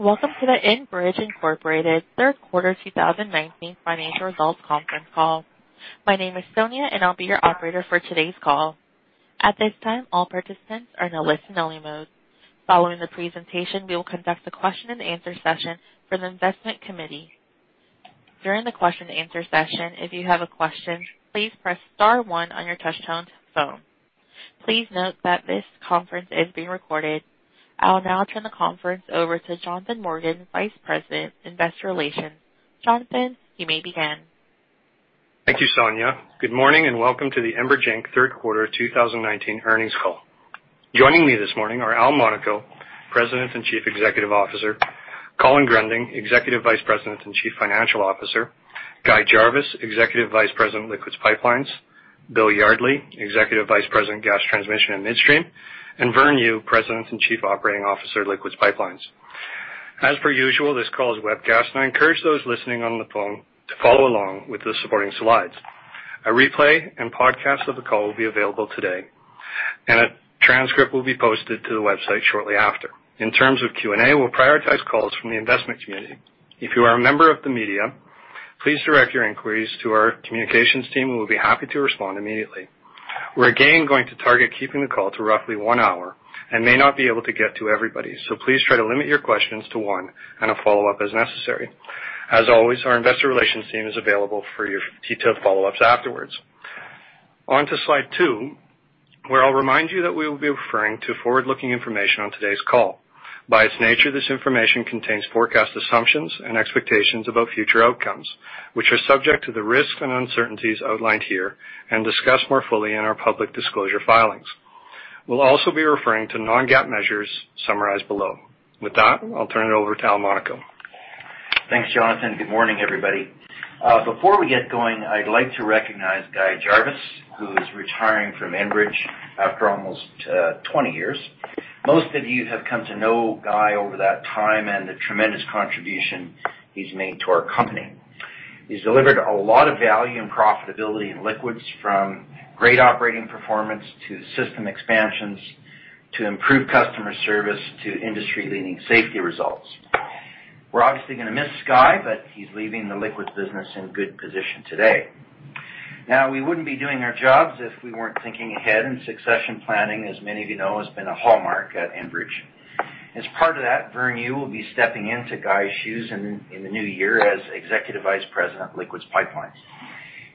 Welcome to the Enbridge Incorporated third quarter 2019 financial results conference call. My name is Sonia and I'll be your operator for today's call. At this time, all participants are in a listen-only mode. Following the presentation, we will conduct a question and answer session for the investment committee. During the question and answer session, if you have a question, please press star one on your touch-tone phone. Please note that this conference is being recorded. I'll now turn the conference over to Jonathan Morgan, Vice President, Investor Relations. Jonathan, you may begin. Thank you, Sonia. Good morning and welcome to the Enbridge Inc. third quarter 2019 earnings call. Joining me this morning are Al Monaco, President and Chief Executive Officer, Colin Gruending, Executive Vice President and Chief Financial Officer, Guy Jarvis, Executive Vice President, Liquids Pipelines, Bill Yardley, Executive Vice President, Gas Transmission and Midstream, and Vern Yu, President and Chief Operating Officer, Liquids Pipelines. As per usual, this call is webcast, and I encourage those listening on the phone to follow along with the supporting slides. A replay and podcast of the call will be available today, and a transcript will be posted to the website shortly after. In terms of Q&A, we'll prioritize calls from the investment community. If you are a member of the media, please direct your inquiries to our communications team, who will be happy to respond immediately. We're again going to target keeping the call to roughly one hour and may not be able to get to everybody, so please try to limit your questions to one and a follow-up as necessary. As always, our investor relations team is available for your detailed follow-ups afterwards. On to slide two, where I'll remind you that we will be referring to forward-looking information on today's call. By its nature, this information contains forecast assumptions and expectations about future outcomes, which are subject to the risks and uncertainties outlined here and discussed more fully in our public disclosure filings. We'll also be referring to non-GAAP measures summarized below. With that, I'll turn it over to Al Monaco. Thanks, Jonathan. Good morning, everybody. Before we get going, I'd like to recognize Guy Jarvis, who's retiring from Enbridge after almost 20 years. Most of you have come to know Guy over that time and the tremendous contribution he's made to our company. He's delivered a lot of value and profitability in liquids, from great operating performance to system expansions to improved customer service to industry-leading safety results. We're obviously going to miss Guy, but he's leaving the liquids business in good position today. Now, we wouldn't be doing our jobs if we weren't thinking ahead, and succession planning, as many of you know, has been a hallmark at Enbridge. As part of that, Vern Yu will be stepping into Guy's shoes in the new year as Executive Vice President of Liquids Pipelines.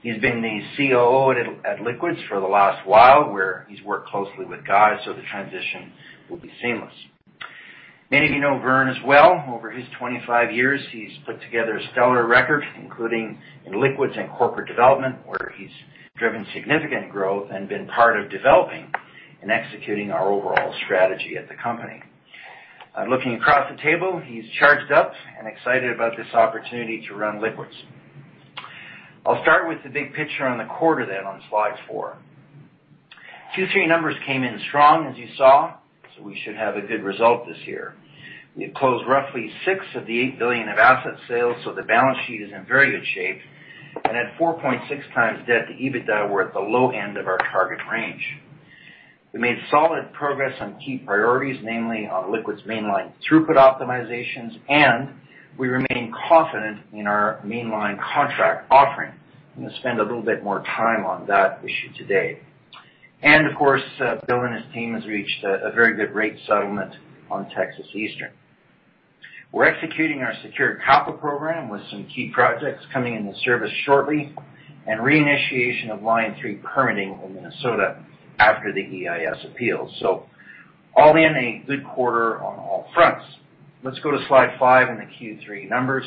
He's been the COO at Liquids for the last while, where he's worked closely with Guy, so the transition will be seamless. Many of you know Vern as well. Over his 25 years, he's put together a stellar record, including in Liquids and corporate development, where he's driven significant growth and been part of developing and executing our overall strategy at the company. Looking across the table, he's charged up and excited about this opportunity to run Liquids. I'll start with the big picture on the quarter on slide four. Q3 numbers came in strong, as you saw, so we should have a good result this year. We had closed roughly 6 billion of the 8 billion of asset sales, so the balance sheet is in very good shape. At 4.6x debt to EBITDA, we're at the low end of our target range. We made solid progress on key priorities, namely on liquids Mainline throughput optimizations, and we remain confident in our Mainline contract offerings. I'm going to spend a little bit more time on that issue today. Of course, Bill and his team has reached a very good rate settlement on Texas Eastern. We're executing our secured CapEx program with some key projects coming into service shortly and reinitiation of Line 3 permitting in Minnesota after the EIS appeals. All in a good quarter on all fronts. Let's go to slide five and the Q3 numbers.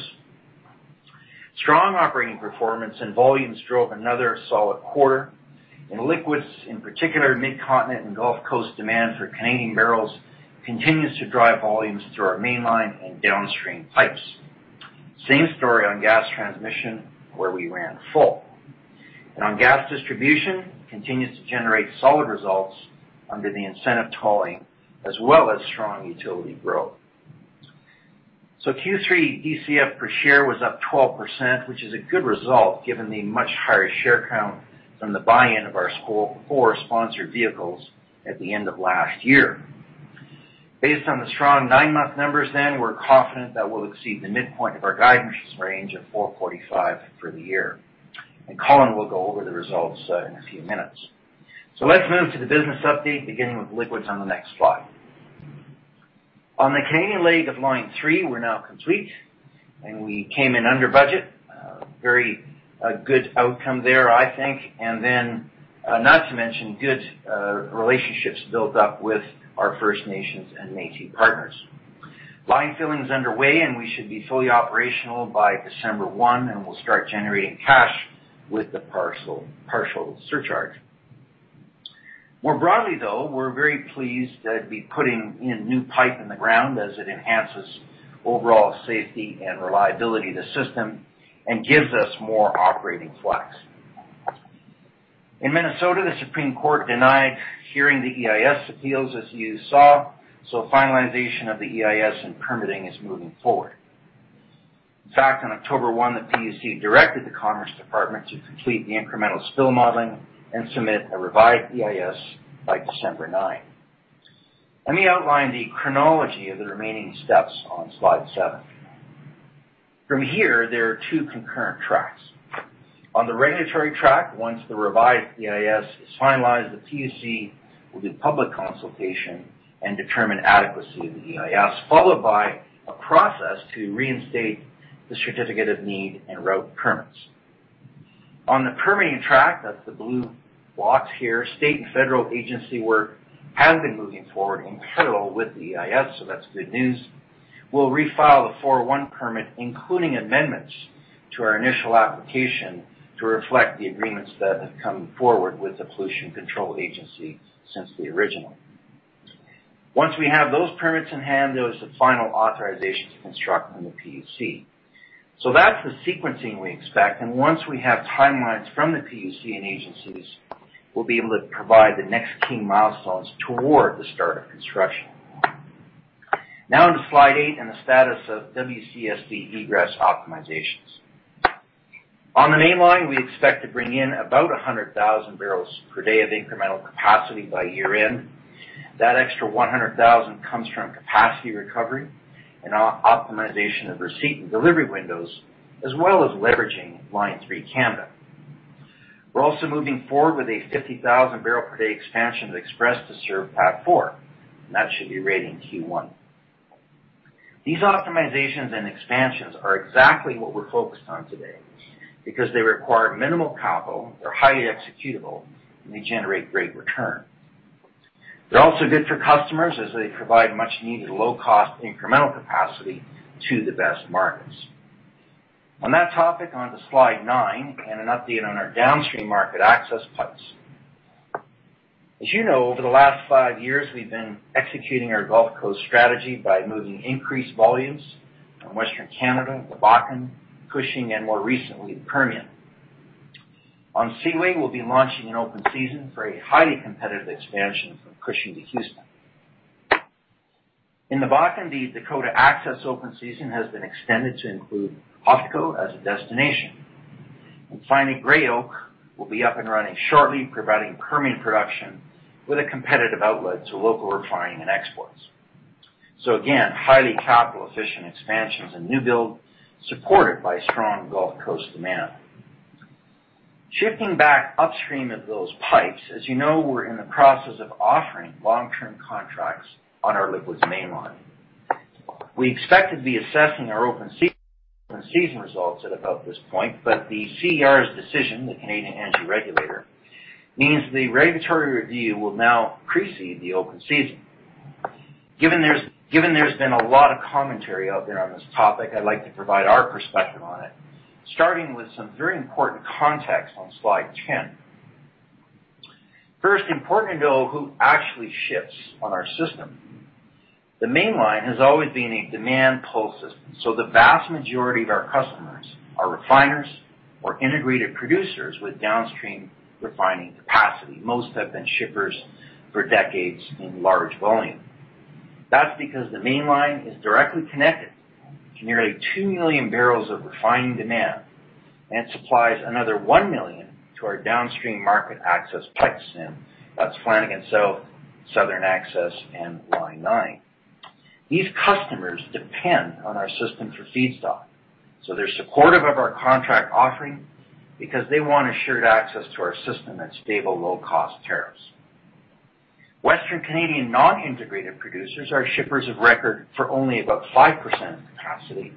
Strong operating performance and volumes drove another solid quarter. In liquids, in particular, Midcontinent and Gulf Coast demand for Canadian barrels continues to drive volumes through our Mainline and downstream pipes. Same story on Gas Transmission, where we ran full. On gas distribution, continues to generate solid results under the incentive tolling, as well as strong utility growth. Q3 DCF per share was up 12%, which is a good result given the much higher share count from the buy-in of our four sponsored vehicles at the end of last year. Based on the strong nine-month numbers, we're confident that we'll exceed the midpoint of our guidance range of 4.45 for the year. Colin will go over the results in a few minutes. Let's move to the business update, beginning with liquids on the next slide. On the Canadian leg of Line 3, we're now complete, and we came in under budget. A very good outcome there, I think. Not to mention good relationships built up with our First Nations and Métis partners. Line filling is underway, and we should be fully operational by December 1, and we'll start generating cash with the partial surcharge. More broadly, though, we're very pleased to be putting in new pipe in the ground as it enhances overall safety and reliability of the system and gives us more operating flex. In Minnesota, the Supreme Court denied hearing the EIS appeals, as you saw. Finalization of the EIS and permitting is moving forward. In fact, on October 1st, the PUC directed the Commerce Department to complete the incremental spill modeling and submit a revised EIS by December 9th. Let me outline the chronology of the remaining steps on slide seven. From here, there are two concurrent tracks. On the regulatory track, once the revised EIS is finalized, the PUC will do public consultation and determine adequacy of the EIS, followed by a process to reinstate the certificate of need and route permits. On the permitting track, that's the blue blocks here, state and federal agency work has been moving forward in parallel with the EIS, that's good news. We'll refile the 401 permit, including amendments to our initial application to reflect the agreements that have come forward with the Pollution Control Agency since the original. Once we have those permits in hand, there is the final authorization to construct from the PUC. That's the sequencing we expect, and once we have timelines from the PUC and agencies, we'll be able to provide the next key milestones toward the start of construction. Now on to slide eight and the status of WCSB egress optimizations. On the mainline, we expect to bring in about 100,000 barrels per day of incremental capacity by year-end. That extra 100,000 comes from capacity recovery and optimization of receipt and delivery windows, as well as leveraging Line 3 Canada. We're also moving forward with a 50,000-barrel-per-day expansion of Express to serve PADD 4, and that should be ready in Q1. These optimizations and expansions are exactly what we're focused on today because they require minimal capital, they're highly executable, and they generate great return. They're also good for customers as they provide much-needed low-cost incremental capacity to the best markets. On that topic, on to slide nine and an update on our downstream Market Access pipes. As you know, over the last five years, we've been executing our Gulf Coast strategy by moving increased volumes from Western Canada, the Bakken, Cushing, and more recently, Permian. On Seaway, we'll be launching an open season for a highly competitive expansion from Cushing to Houston. In the Bakken, the Dakota Access open season has been extended to include HFOTCO as a destination. Finally, Gray Oak will be up and running shortly, providing Permian production with a competitive outlet to local refining and exports. Again, highly capital-efficient expansions and new build supported by strong Gulf Coast demand. Shifting back upstream of those pipes, as you know, we're in the process of offering long-term contracts on our liquids mainline. We expected to be assessing our open season results at about this point, the CER's decision, the Canada Energy Regulator, means the regulatory review will now precede the open season. There's been a lot of commentary out there on this topic, I'd like to provide our perspective on it, starting with some very important context on slide 10. Important to know who actually ships on our system. The Mainline has always been a demand-pull system, the vast majority of our customers are refiners or integrated producers with downstream refining capacity. Most have been shippers for decades in large volume. That's because the Mainline is directly connected to nearly two million barrels of refined demand and supplies another one million to our downstream market access pipes, and that's Flanagan South, Southern Access, and Line 9. These customers depend on our system for feedstock, they're supportive of our contract offering because they want assured access to our system at stable, low-cost tariffs. Western Canadian non-integrated producers are shippers of record for only about 5% of capacity,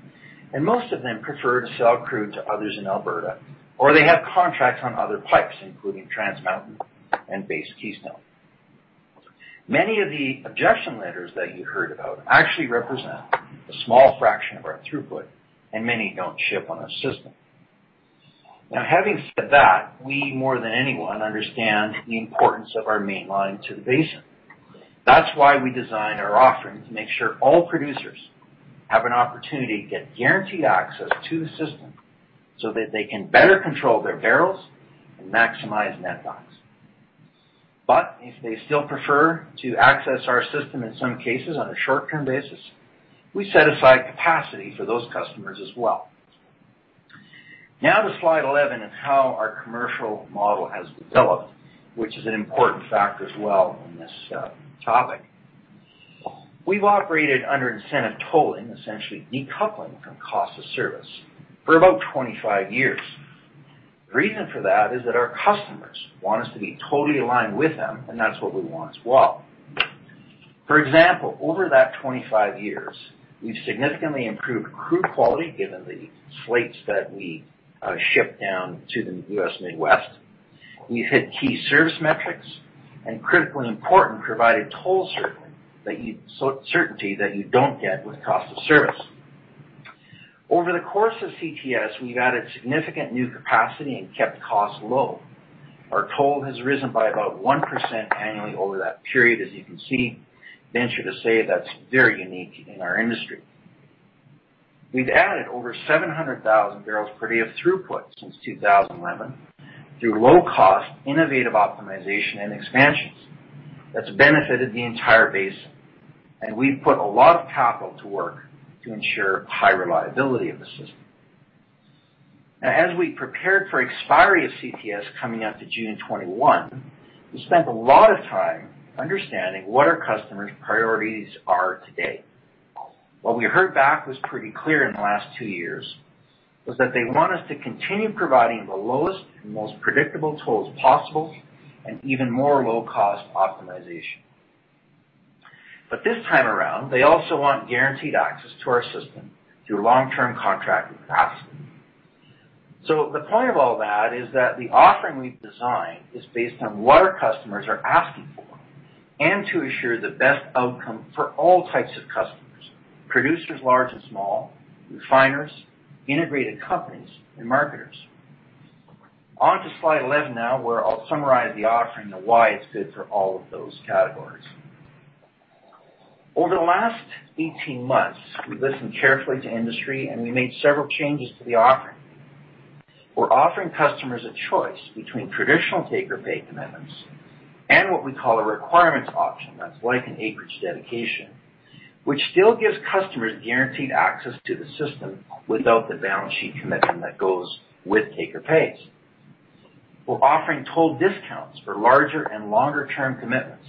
and most of them prefer to sell crude to others in Alberta, or they have contracts on other pipes, including Trans Mountain and Base Keystone. Many of the objection letters that you heard about actually represent a small fraction of our throughput, and many don't ship on our system. Having said that, we more than anyone understand the importance of our mainline to the basin. That's why we designed our offering to make sure all producers have an opportunity to get guaranteed access to the system so that they can better control their barrels and maximize netbacks. If they still prefer to access our system, in some cases on a short-term basis, we set aside capacity for those customers as well. To slide 11 on how our commercial model has developed, which is an important factor as well in this topic. We've operated under incentive tolling, essentially decoupling from cost of service, for about 25 years. The reason for that is that our customers want us to be totally aligned with them, that's what we want as well. For example, over that 25 years, we've significantly improved crude quality, given the slates that we ship down to the U.S. Midwest. We've hit key service metrics, critically important, provided toll certainty that you don't get with cost of service. Over the course of CTS, we've added significant new capacity and kept costs low. Our toll has risen by about 1% annually over that period, as you can see. Venture to say that's very unique in our industry. We've added over 700,000 barrels per day of throughput since 2011 through low-cost, innovative optimization and expansions. That's benefited the entire basin, and we've put a lot of capital to work to ensure high reliability of the system. As we prepared for expiry of CTS coming after June 2021, we spent a lot of time understanding what our customers' priorities are today. What we heard back was pretty clear in the last two years, was that they want us to continue providing the lowest and most predictable tolls possible, and even more low-cost optimization. This time around, they also want guaranteed access to our system through long-term contracted capacity. The point of all that is that the offering we've designed is based on what our customers are asking for and to ensure the best outcome for all types of customers, producers large and small, refiners, integrated companies, and marketers. On to slide 11 now, where I'll summarize the offering and why it's good for all of those categories. Over the last 18 months, we listened carefully to industry and we made several changes to the offering. We're offering customers a choice between traditional take-or-pay commitments and what we call a requirements option, that's like an acreage dedication, which still gives customers guaranteed access to the system without the balance sheet commitment that goes with take-or-pays. We're offering toll discounts for larger and longer-term commitments,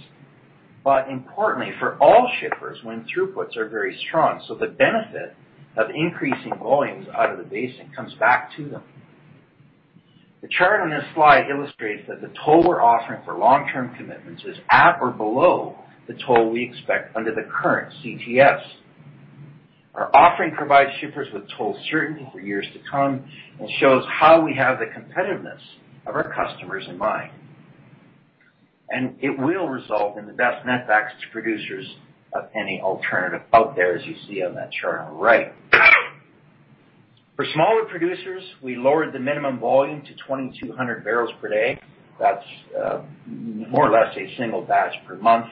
but importantly, for all shippers when throughputs are very strong, so the benefit of increasing volumes out of the basin comes back to them. The chart on this slide illustrates that the toll we're offering for long-term commitments is at or below the toll we expect under the current CTS. Our offering provides shippers with toll certainty for years to come and shows how we have the competitiveness of our customers in mind. It will result in the best net backs to producers of any alternative out there, as you see on that chart on the right. For smaller producers, we lowered the minimum volume to 2,200 barrels per day. That's more or less a single batch per month.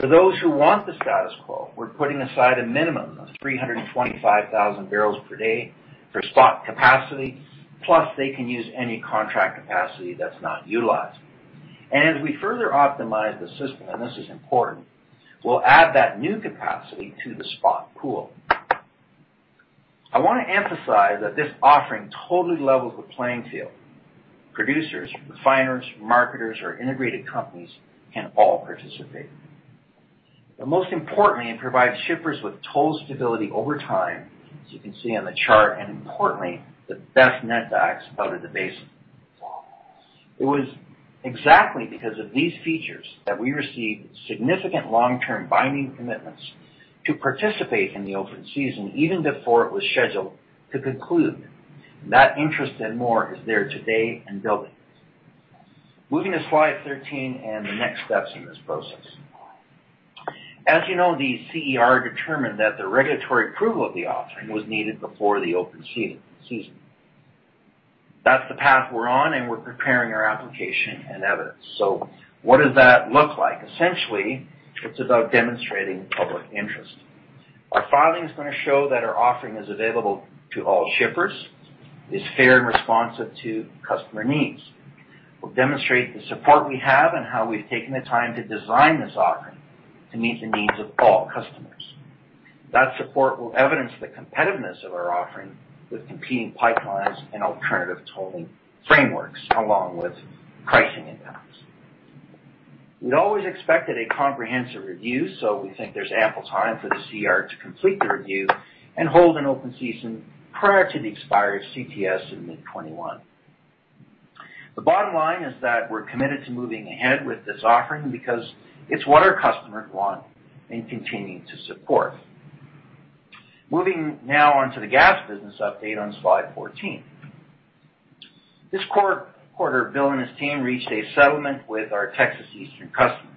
For those who want the status quo, we're putting aside a minimum of 325,000 barrels per day for spot capacity, plus they can use any contract capacity that's not utilized. As we further optimize the system, and this is important, we'll add that new capacity to the spot pool. I want to emphasize that this offering totally levels the playing field. Producers, refiners, marketers, or integrated companies can all participate. Most importantly, it provides shippers with toll stability over time, as you can see on the chart, and importantly, the best net backs out of the basin. It was exactly because of these features that we received significant long-term binding commitments to participate in the open season, even before it was scheduled to conclude. That interest and more is there today and building. Moving to slide 13 and the next steps in this process. As you know, the CER determined that the regulatory approval of the offering was needed before the open season. That's the path we're on, and we're preparing our application and evidence. What does that look like? Essentially, it's about demonstrating public interest. Our filing is going to show that our offering is available to all shippers, is fair and responsive to customer needs. We'll demonstrate the support we have and how we've taken the time to design this offering to meet the needs of all customers. That support will evidence the competitiveness of our offering with competing pipelines and alternative tolling frameworks, along with pricing impacts. We'd always expected a comprehensive review. We think there's ample time for the CER to complete the review and hold an open season prior to the expiry of CTS in mid 2021. The bottom line is that we're committed to moving ahead with this offering because it's what our customers want and continue to support. Moving now on to the gas business update on slide 14. This quarter, Bill and his team reached a settlement with our Texas Eastern customer.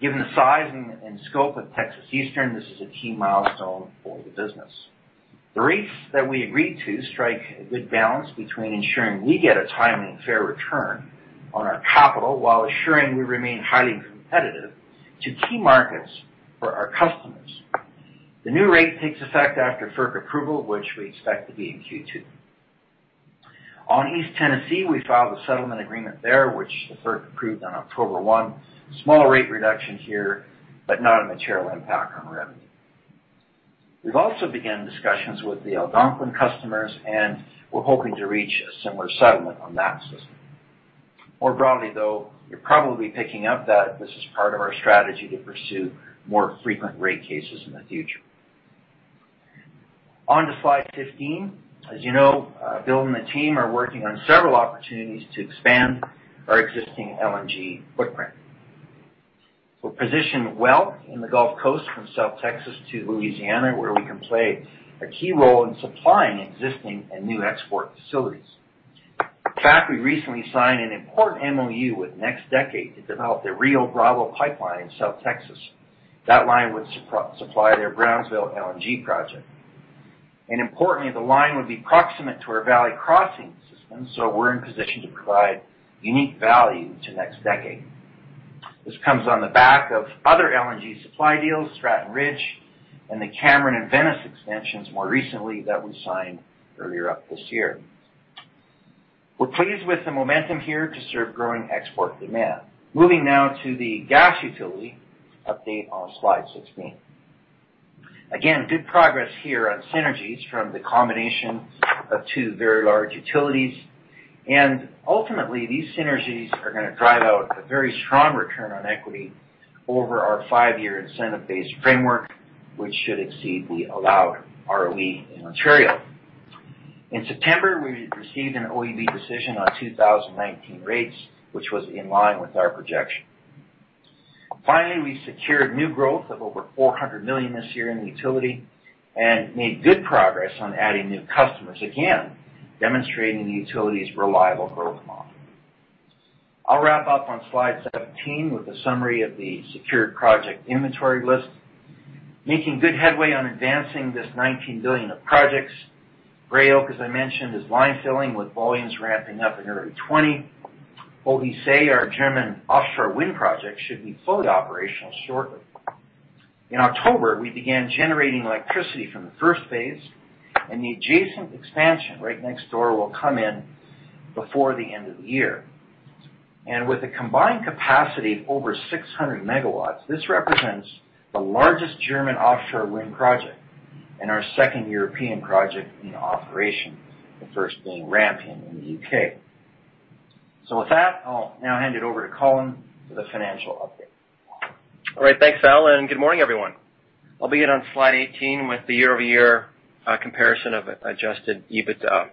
Given the size and scope of Texas Eastern, this is a key milestone for the business. The rates that we agreed to strike a good balance between ensuring we get a timely and fair return on our capital while ensuring we remain highly competitive to key markets for our customers. The new rate takes effect after FERC approval, which we expect to be in Q2. On East Tennessee, we filed a settlement agreement there, which the FERC approved on October 1. Small rate reduction here, but not a material impact on revenue. We've also began discussions with the Algonquin customers, and we're hoping to reach a similar settlement on that system. More broadly, though, you're probably picking up that this is part of our strategy to pursue more frequent rate cases in the future. On to slide 15. As you know, Bill and the team are working on several opportunities to expand our existing LNG footprint. We're positioned well in the Gulf Coast from South Texas to Louisiana, where we can play a key role in supplying existing and new export facilities. In fact, we recently signed an important MOU with NextDecade to develop the Rio Bravo Pipeline in South Texas. That line would supply their Rio Grande LNG. Importantly, the line would be proximate to our Valley Crossing system, so we're in position to provide unique value to NextDecade. This comes on the back of other LNG supply deals, Stratton Ridge, and the Cameron and Venice Extension more recently that we signed earlier up this year. We're pleased with the momentum here to serve growing export demand. Moving now to the gas utility update on Slide 16. Again, good progress here on synergies from the combination of two very large utilities. Ultimately, these synergies are going to drive out a very strong return on equity over our five-year incentive-based framework, which should exceed the allowed ROE in Ontario. In September, we received an OEB decision on 2019 rates, which was in line with our projection. Finally, we secured new growth of over 400 million this year in the utility and made good progress on adding new customers, again, demonstrating the utility's reliable growth model. I'll wrap up on Slide 17 with a summary of the secured project inventory list. Making good headway on advancing this 19 billion of projects. Gray Oak, as I mentioned, is line filling with volumes ramping up in early 2020. Borssele, our German offshore wind project, should be fully operational shortly. In October, we began generating electricity from the first phase, and the adjacent expansion right next door will come in before the end of the year. With a combined capacity of over 600 megawatts, this represents the largest German offshore wind project and our second European project in operation, the first being Rampion in the U.K. With that, I'll now hand it over to Colin for the financial update. All right. Thanks, Al. Good morning, everyone. I'll begin on Slide 18 with the year-over-year comparison of adjusted EBITDA.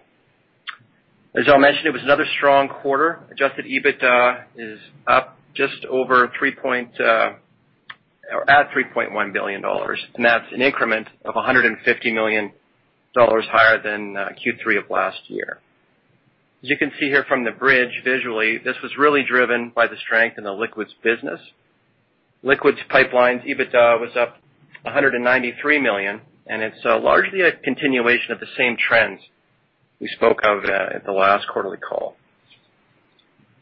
As Al mentioned, it was another strong quarter. Adjusted EBITDA is at 3.1 billion dollars. That's an increment of 150 million dollars higher than Q3 of last year. As you can see here from the bridge visually, this was really driven by the strength in the Liquids Pipelines business. Liquids Pipelines EBITDA was up 193 million. It's largely a continuation of the same trends we spoke of at the last quarterly call.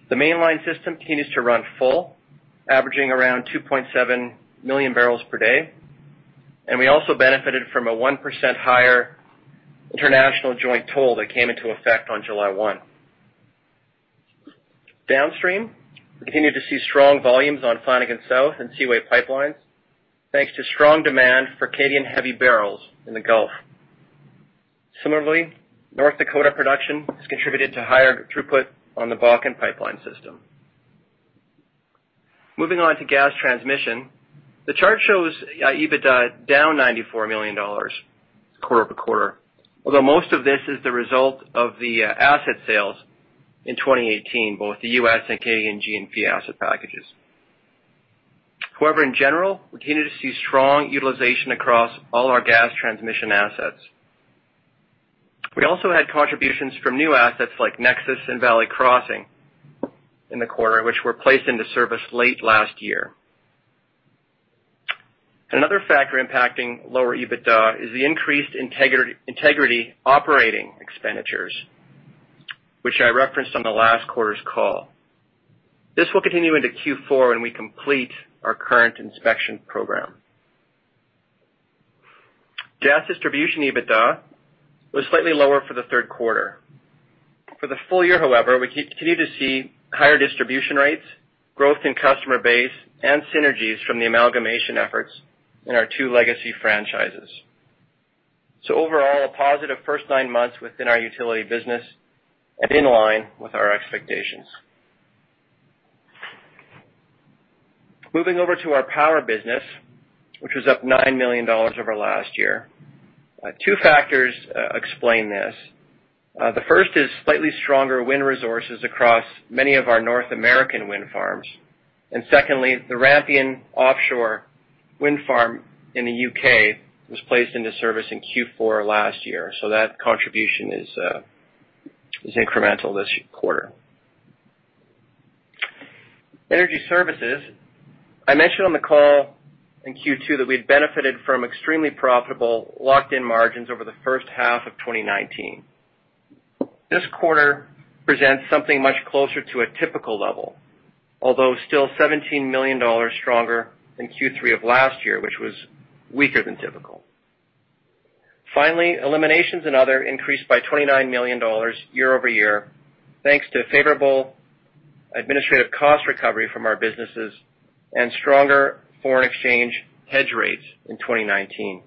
The mainline system continues to run full, averaging around 2.7 million barrels per day. We also benefited from a 1% higher International Joint Toll that came into effect on July 1. Downstream, we continue to see strong volumes on Flanagan South and Seaway pipelines, thanks to strong demand for Canadian heavy barrels in the Gulf. Similarly, North Dakota production has contributed to higher throughput on the Bakken pipeline system. Moving on to gas transmission. The chart shows EBITDA down 94 million dollars quarter-over-quarter, although most of this is the result of the asset sales in 2018, both the U.S. and Canadian G&P asset packages. In general, we continue to see strong utilization across all our gas transmission assets. We also had contributions from new assets like NEXUS and Valley Crossing in the quarter, which were placed into service late last year. Another factor impacting lower EBITDA is the increased integrity operating expenditures, which I referenced on the last quarter's call. This will continue into Q4 when we complete our current inspection program. Gas distribution EBITDA was slightly lower for the third quarter. For the full year, however, we continue to see higher distribution rates, growth in customer base, and synergies from the amalgamation efforts in our two legacy franchises. Overall, a positive first nine months within our utility business and in line with our expectations. Moving over to our power business, which was up 9 million dollars over last year. Two factors explain this. The first is slightly stronger wind resources across many of our North American wind farms. Secondly, the Rampion offshore wind farm in the U.K. was placed into service in Q4 last year, so that contribution is incremental this quarter. Energy services. I mentioned on the call in Q2 that we'd benefited from extremely profitable locked-in margins over the first half of 2019. This quarter presents something much closer to a typical level, although still 17 million dollars stronger than Q3 of last year, which was weaker than typical. Finally, eliminations and other increased by 29 million dollars year-over-year, thanks to favorable administrative cost recovery from our businesses and stronger foreign exchange hedge rates in 2019.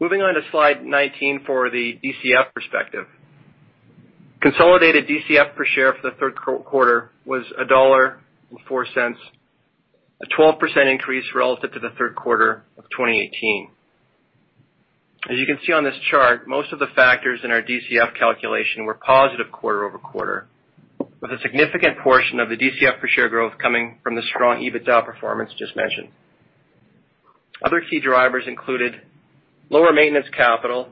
Moving on to slide 19 for the DCF perspective. Consolidated DCF per share for the third quarter was 1.04 dollar, a 12% increase relative to the third quarter of 2018. As you can see on this chart, most of the factors in our DCF calculation were positive quarter-over-quarter, with a significant portion of the DCF per share growth coming from the strong EBITDA performance just mentioned. Other key drivers included lower maintenance capital,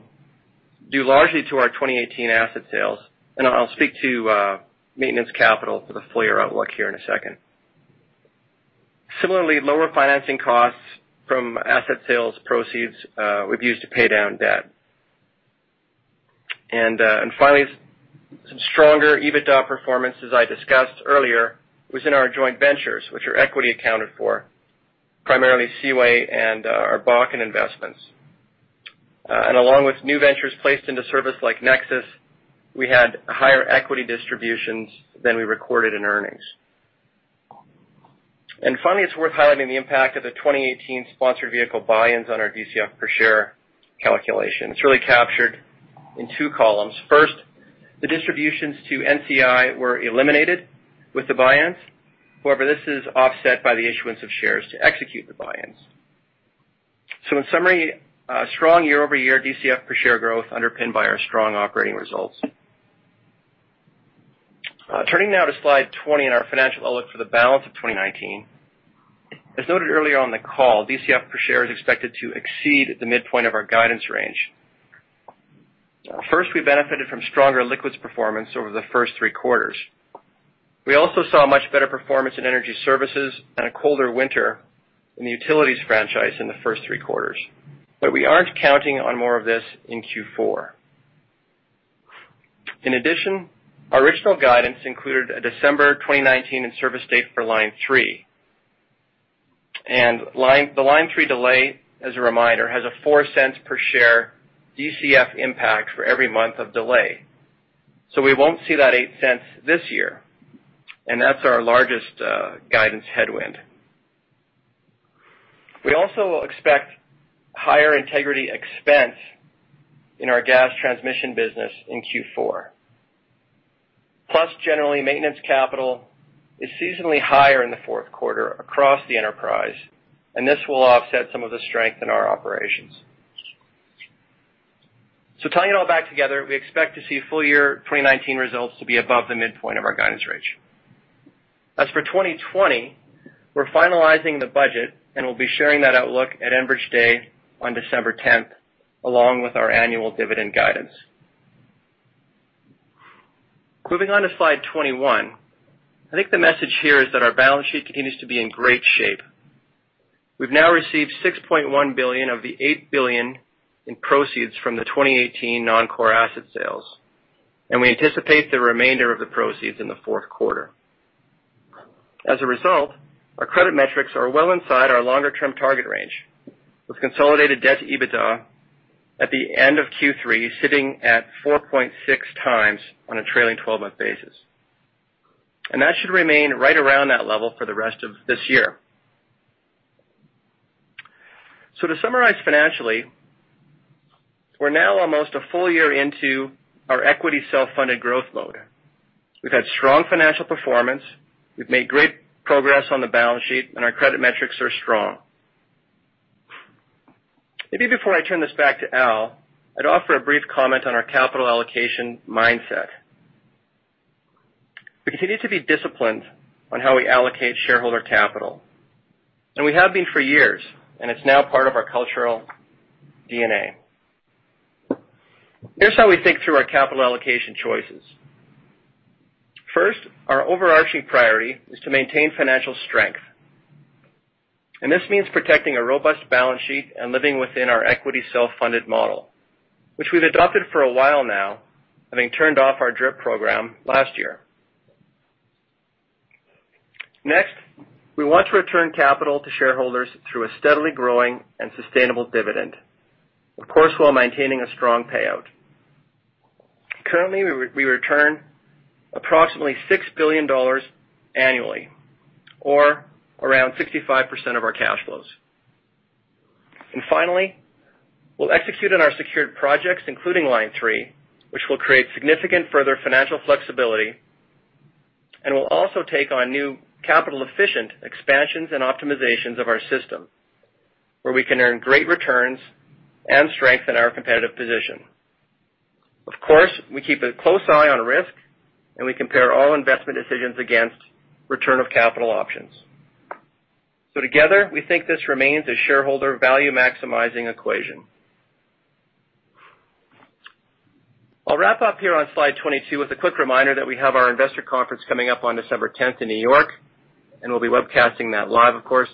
due largely to our 2018 asset sales. I'll speak to maintenance capital for the full-year outlook here in a second. Similarly, lower financing costs from asset sales proceeds we've used to pay down debt. Stronger EBITDA performance, as I discussed earlier, was in our joint ventures, which are equity accounted for, primarily Seaway and our Bakken investments. Along with new ventures placed into service like NEXUS, we had higher equity distributions than we recorded in earnings. Finally, it's worth highlighting the impact of the 2018 sponsored vehicle buy-ins on our DCF per share calculation. It's really captured in two columns. First, the distributions to NCI were eliminated with the buy-ins. However, this is offset by the issuance of shares to execute the buy-ins. In summary, strong year-over-year DCF per share growth underpinned by our strong operating results. Turning now to slide 20 and our financial outlook for the balance of 2019. As noted earlier on the call, DCF per share is expected to exceed the midpoint of our guidance range. We benefited from stronger liquids performance over the first three quarters. We also saw much better performance in energy services and a colder winter in the utilities franchise in the first three quarters. We aren't counting on more of this in Q4. In addition, our original guidance included a December 2019 in-service date for Line 3. The Line 3 delay, as a reminder, has a 0.04 per share DCF impact for every month of delay. We won't see that 0.08 this year, and that's our largest guidance headwind. We also expect higher integrity expense in our gas transmission business in Q4. Generally, maintenance capital is seasonally higher in the fourth quarter across the enterprise, and this will offset some of the strength in our operations. Tying it all back together, we expect to see full-year 2019 results to be above the midpoint of our guidance range. As for 2020, we're finalizing the budget and will be sharing that outlook at Enbridge Day on December 10th, along with our annual dividend guidance. Moving on to slide 21. I think the message here is that our balance sheet continues to be in great shape. We've now received 6.1 billion of the 8 billion in proceeds from the 2018 non-core asset sales, we anticipate the remainder of the proceeds in the fourth quarter. As a result, our credit metrics are well inside our longer-term target range, with consolidated debt to EBITDA at the end of Q3 sitting at 4.6 times on a trailing 12-month basis. That should remain right around that level for the rest of this year. To summarize financially, we're now almost a full year into our equity self-funded growth mode. We've had strong financial performance, we've made great progress on the balance sheet, and our credit metrics are strong. Maybe before I turn this back to Al, I'd offer a brief comment on our capital allocation mindset. We continue to be disciplined on how we allocate shareholder capital. We have been for years, and it's now part of our cultural DNA. Here's how we think through our capital allocation choices. First, our overarching priority is to maintain financial strength, and this means protecting a robust balance sheet and living within our equity self-funded model, which we've adopted for a while now, having turned off our DRIP program last year. Next, we want to return capital to shareholders through a steadily growing and sustainable dividend. Of course, while maintaining a strong payout. Currently, we return approximately 6 billion dollars annually or around 65% of our cash flows. Finally, we'll execute on our secured projects, including Line 3, which will create significant further financial flexibility, and we'll also take on new capital-efficient expansions and optimizations of our system, where we can earn great returns and strengthen our competitive position. Of course, we keep a close eye on risk, and we compare all investment decisions against return of capital options. Together, we think this remains a shareholder value-maximizing equation. I'll wrap up here on slide 22 with a quick reminder that we have our investor conference coming up on December 10th in New York, and we'll be webcasting that live, of course,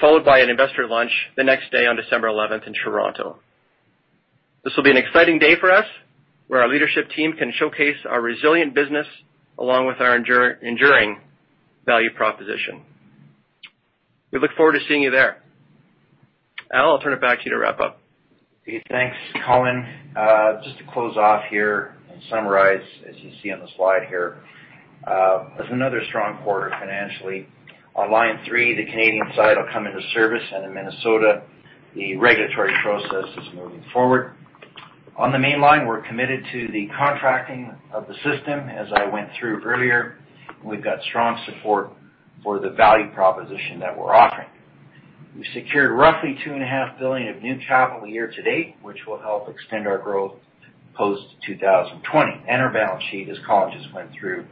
followed by an investor lunch the next day on December 11th in Toronto. This will be an exciting day for us, where our leadership team can showcase our resilient business along with our enduring value proposition. We look forward to seeing you there. Al, I'll turn it back to you to wrap up. Okay, thanks, Colin. Just to close off here and summarize, as you see on the slide here. It's another strong quarter financially. On Line 3, the Canadian side will come into service, and in Minnesota, the regulatory process is moving forward. On the mainline, we're committed to the contracting of the system. As I went through earlier, we've got strong support for the value proposition that we're offering. We secured roughly 2.5 billion of new capital year to date, which will help extend our growth post-2020. Our balance sheet, as Colin just went through,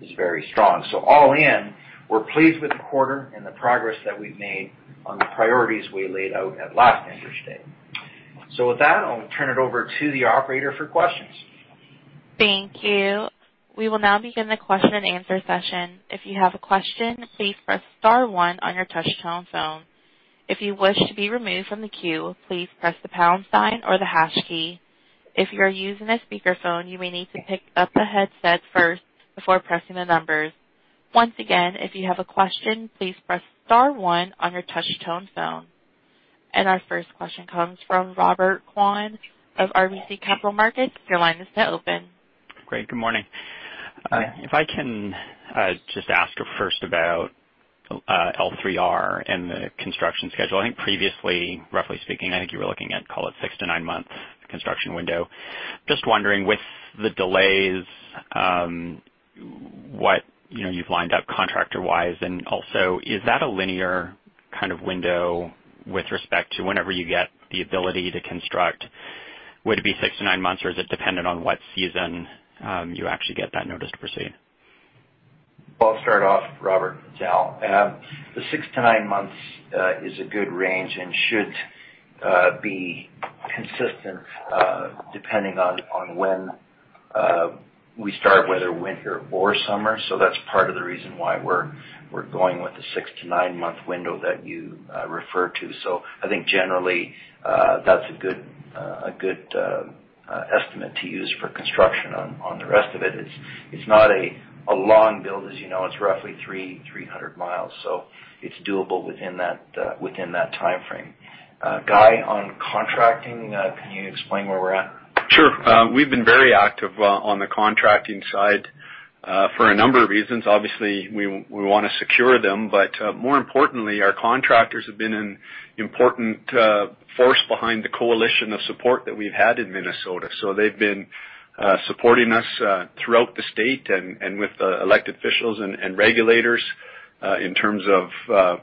is very strong. All in, we're pleased with the quarter and the progress that we've made on the priorities we laid out at last Enbridge Day. With that, I'll turn it over to the operator for questions. Thank you. We will now begin the question and answer session. If you have a question, please press star one on your touch-tone phone. If you wish to be removed from the queue, please press the pound sign or the hash key. If you are using a speakerphone, you may need to pick up the headset first before pressing the numbers. Once again, if you have a question, please press star one on your touch-tone phone. Our first question comes from Robert Kwan of RBC Capital Markets. Your line is now open. Great. Good morning. Hi. If I can just ask first about L3R and the construction schedule. I think previously, roughly speaking, I think you were looking at, call it six to nine months construction window. Just wondering with the delays, what you've lined up contractor-wise, and also is that a linear kind of window with respect to whenever you get the ability to construct? Would it be six to nine months, or is it dependent on what season you actually get that notice to proceed? Well, I'll start off, Robert. It's Al. The six to nine months is a good range and should be consistent, depending on when we start, whether winter or summer. That's part of the reason why we're going with the six to nine-month window that you referred to. I think generally, that's a good estimate to use for construction on the rest of it. It's not a long build, as you know. It's roughly 300 miles. It's doable within that timeframe. Guy, on contracting, can you explain where we're at? Sure. We've been very active on the contracting side for a number of reasons. Obviously, we want to secure them, but more importantly, our contractors have been an important force behind the coalition of support that we've had in Minnesota. They've been supporting us throughout the state and with elected officials and regulators, in terms of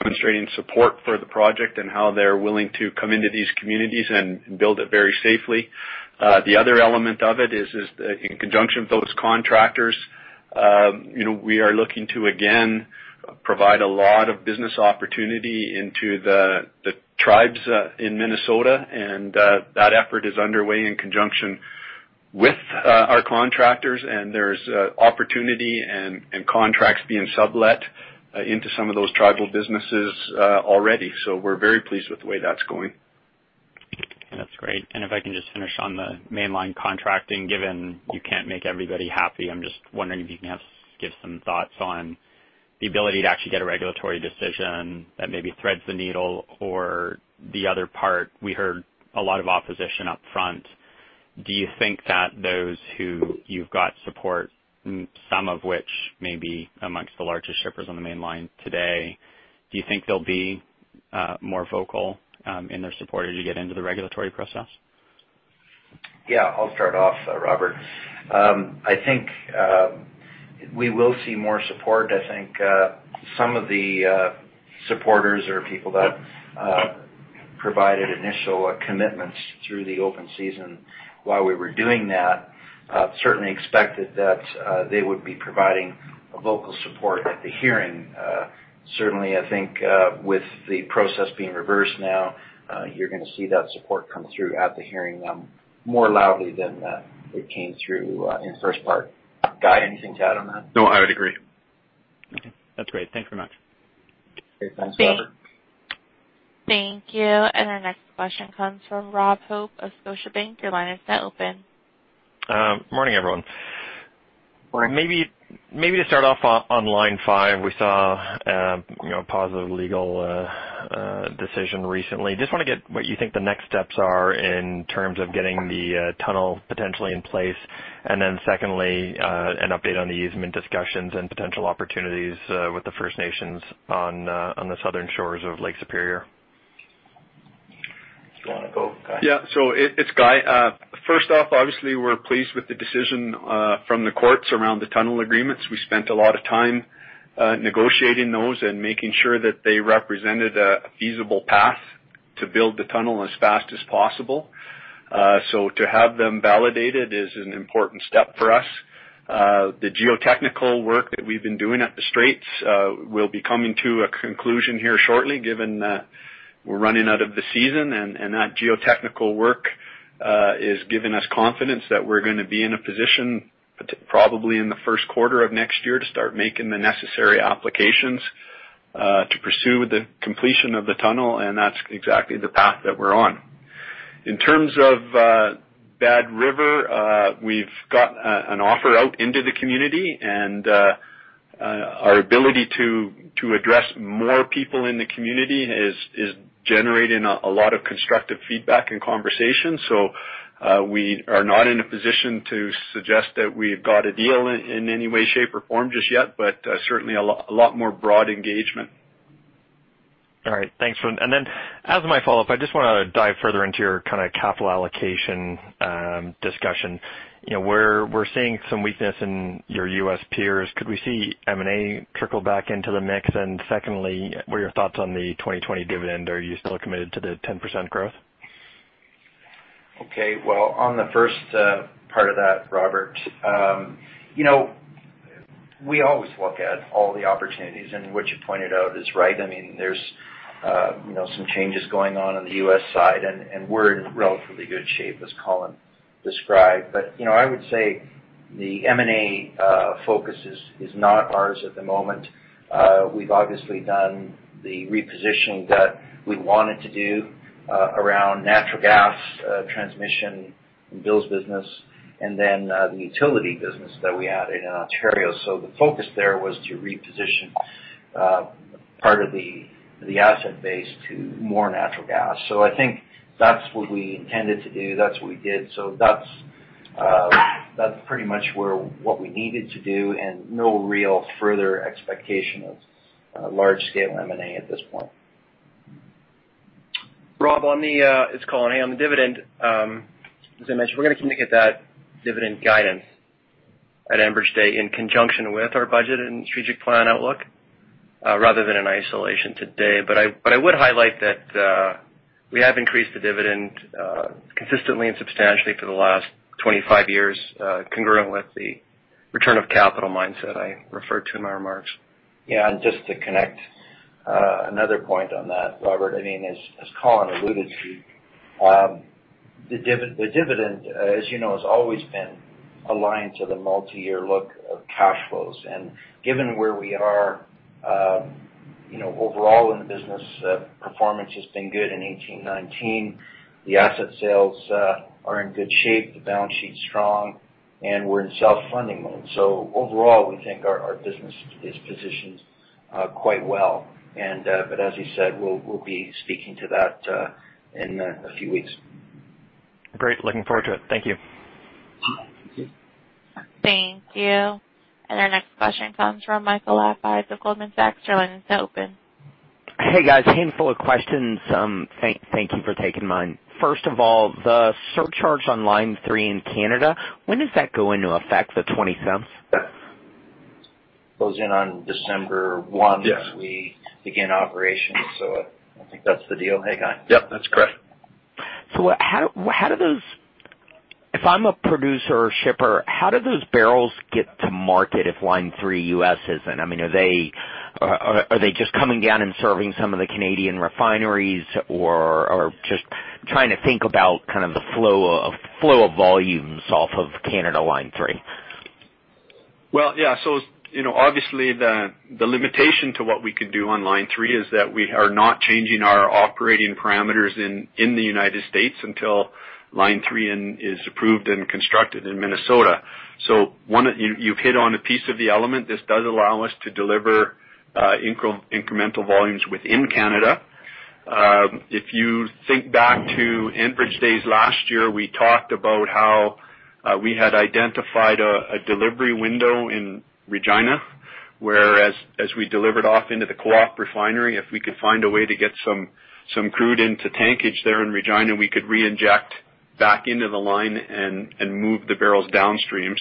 demonstrating support for the project and how they're willing to come into these communities and build it very safely. The other element of it is, in conjunction with those contractors, we are looking to, again, provide a lot of business opportunity into the tribes in Minnesota, and that effort is underway in conjunction with our contractors, and there's opportunity and contracts being sublet into some of those tribal businesses already. We're very pleased with the way that's going. That's great. If I can just finish on the mainline contracting, given you can't make everybody happy, I'm just wondering if you can give some thoughts on the ability to actually get a regulatory decision that maybe threads the needle or the other part. We heard a lot of opposition up front. Do you think that those who you've got support, some of which may be amongst the largest shippers on the mainline today, do you think they'll be more vocal in their support as you get into the regulatory process? Yeah, I'll start off, Robert. I think we will see more support. I think some of the supporters or people that provided initial commitments through the open season while we were doing that certainly expected that they would be providing a vocal support at the hearing. Certainly, I think with the process being reversed now, you're going to see that support come through at the hearing more loudly than it came through in first part. Guy, anything to add on that? No, I would agree. Okay. That's great. Thanks very much. Okay. Thanks, Robert. Thank you. Our next question comes from Rob Hope of Scotiabank. Your line is now open. Morning, everyone. Morning. Maybe to start off on Line 5, we saw a positive legal decision recently. Want to get what you think the next steps are in terms of getting the tunnel potentially in place. Secondly, an update on the easement discussions and potential opportunities with the First Nations on the southern shores of Lake Superior. Do you want to go, Guy? Yeah. It's Guy. First off, obviously, we're pleased with the decision from the courts around the tunnel agreements. We spent a lot of time negotiating those and making sure that they represented a feasible path to build the tunnel as fast as possible. To have them validated is an important step for us. The geotechnical work that we've been doing at the Straits will be coming to a conclusion here shortly, given we're running out of the season, and that geotechnical work is giving us confidence that we're going to be in a position probably in the first quarter of next year to start making the necessary applications to pursue the completion of the tunnel, and that's exactly the path that we're on. In terms of Bad River, we've got an offer out into the community. Our ability to address more people in the community is generating a lot of constructive feedback and conversation. We are not in a position to suggest that we've got a deal in any way, shape, or form just yet, but certainly a lot more broad engagement. All right. Thanks. As my follow-up, I just want to dive further into your capital allocation discussion. We're seeing some weakness in your U.S. peers. Could we see M&A trickle back into the mix? Secondly, what are your thoughts on the 2020 dividend? Are you still committed to the 10% growth? Okay. Well, on the first part of that, Robert, we always look at all the opportunities, and what you pointed out is right. There's some changes going on in the U.S. side, and we're in relatively good shape, as Colin described. I would say the M&A focus is not ours at the moment. We've obviously done the repositioning that we wanted to do around natural gas transmission in Bill's business, and then the utility business that we had in Ontario. The focus there was to reposition part of the asset base to more natural gas. I think that's what we intended to do. That's what we did. That's pretty much what we needed to do and no real further expectation of large-scale M&A at this point. Rob, it's Colin. On the dividend, as I mentioned, we're going to communicate that dividend guidance at Enbridge today in conjunction with our budget and strategic plan outlook rather than in isolation today. I would highlight that we have increased the dividend consistently and substantially for the last 25 years, congruent with the return of capital mindset I referred to in my remarks. Yeah, just to connect another point on that, Robert, as Colin alluded to, the dividend, as you know, has always been aligned to the multi-year look of cash flows. Given where we are, overall in the business, performance has been good in 2018, 2019. The asset sales are in good shape, the balance sheet's strong, and we're in self-funding mode. Overall, we think our business is positioned quite well. As you said, we'll be speaking to that in a few weeks. Great. Looking forward to it. Thank you. Thank you. Thank you. Our next question comes from Michael Appais of Goldman Sachs. Your line is open. Hey, guys. Handful of questions. Thank you for taking mine. First of all, the surcharge on Line 3 in Canada, when does that go into effect, the 0.20? It goes in on December one. Yes as we begin operations. I think that's the deal. Hey, Guy. Yep, that's correct. If I'm a producer or shipper, how do those barrels get to market if Line 3 U.S. isn't? Are they just coming down and serving some of the Canadian refineries, or just trying to think about the flow of volumes off of Canada Line 3. Well, yeah. Obviously, the limitation to what we could do on Line 3 is that we are not changing our operating parameters in the United States until Line 3 is approved and constructed in Minnesota. You've hit on a piece of the element. This does allow us to deliver incremental volumes within Canada. If you think back to Enbridge Days last year, we talked about how we had identified a delivery window in Regina, where as we delivered off into the co-op refinery, if we could find a way to get some crude into tankage there in Regina, we could re-inject back into the line and move the barrels downstream.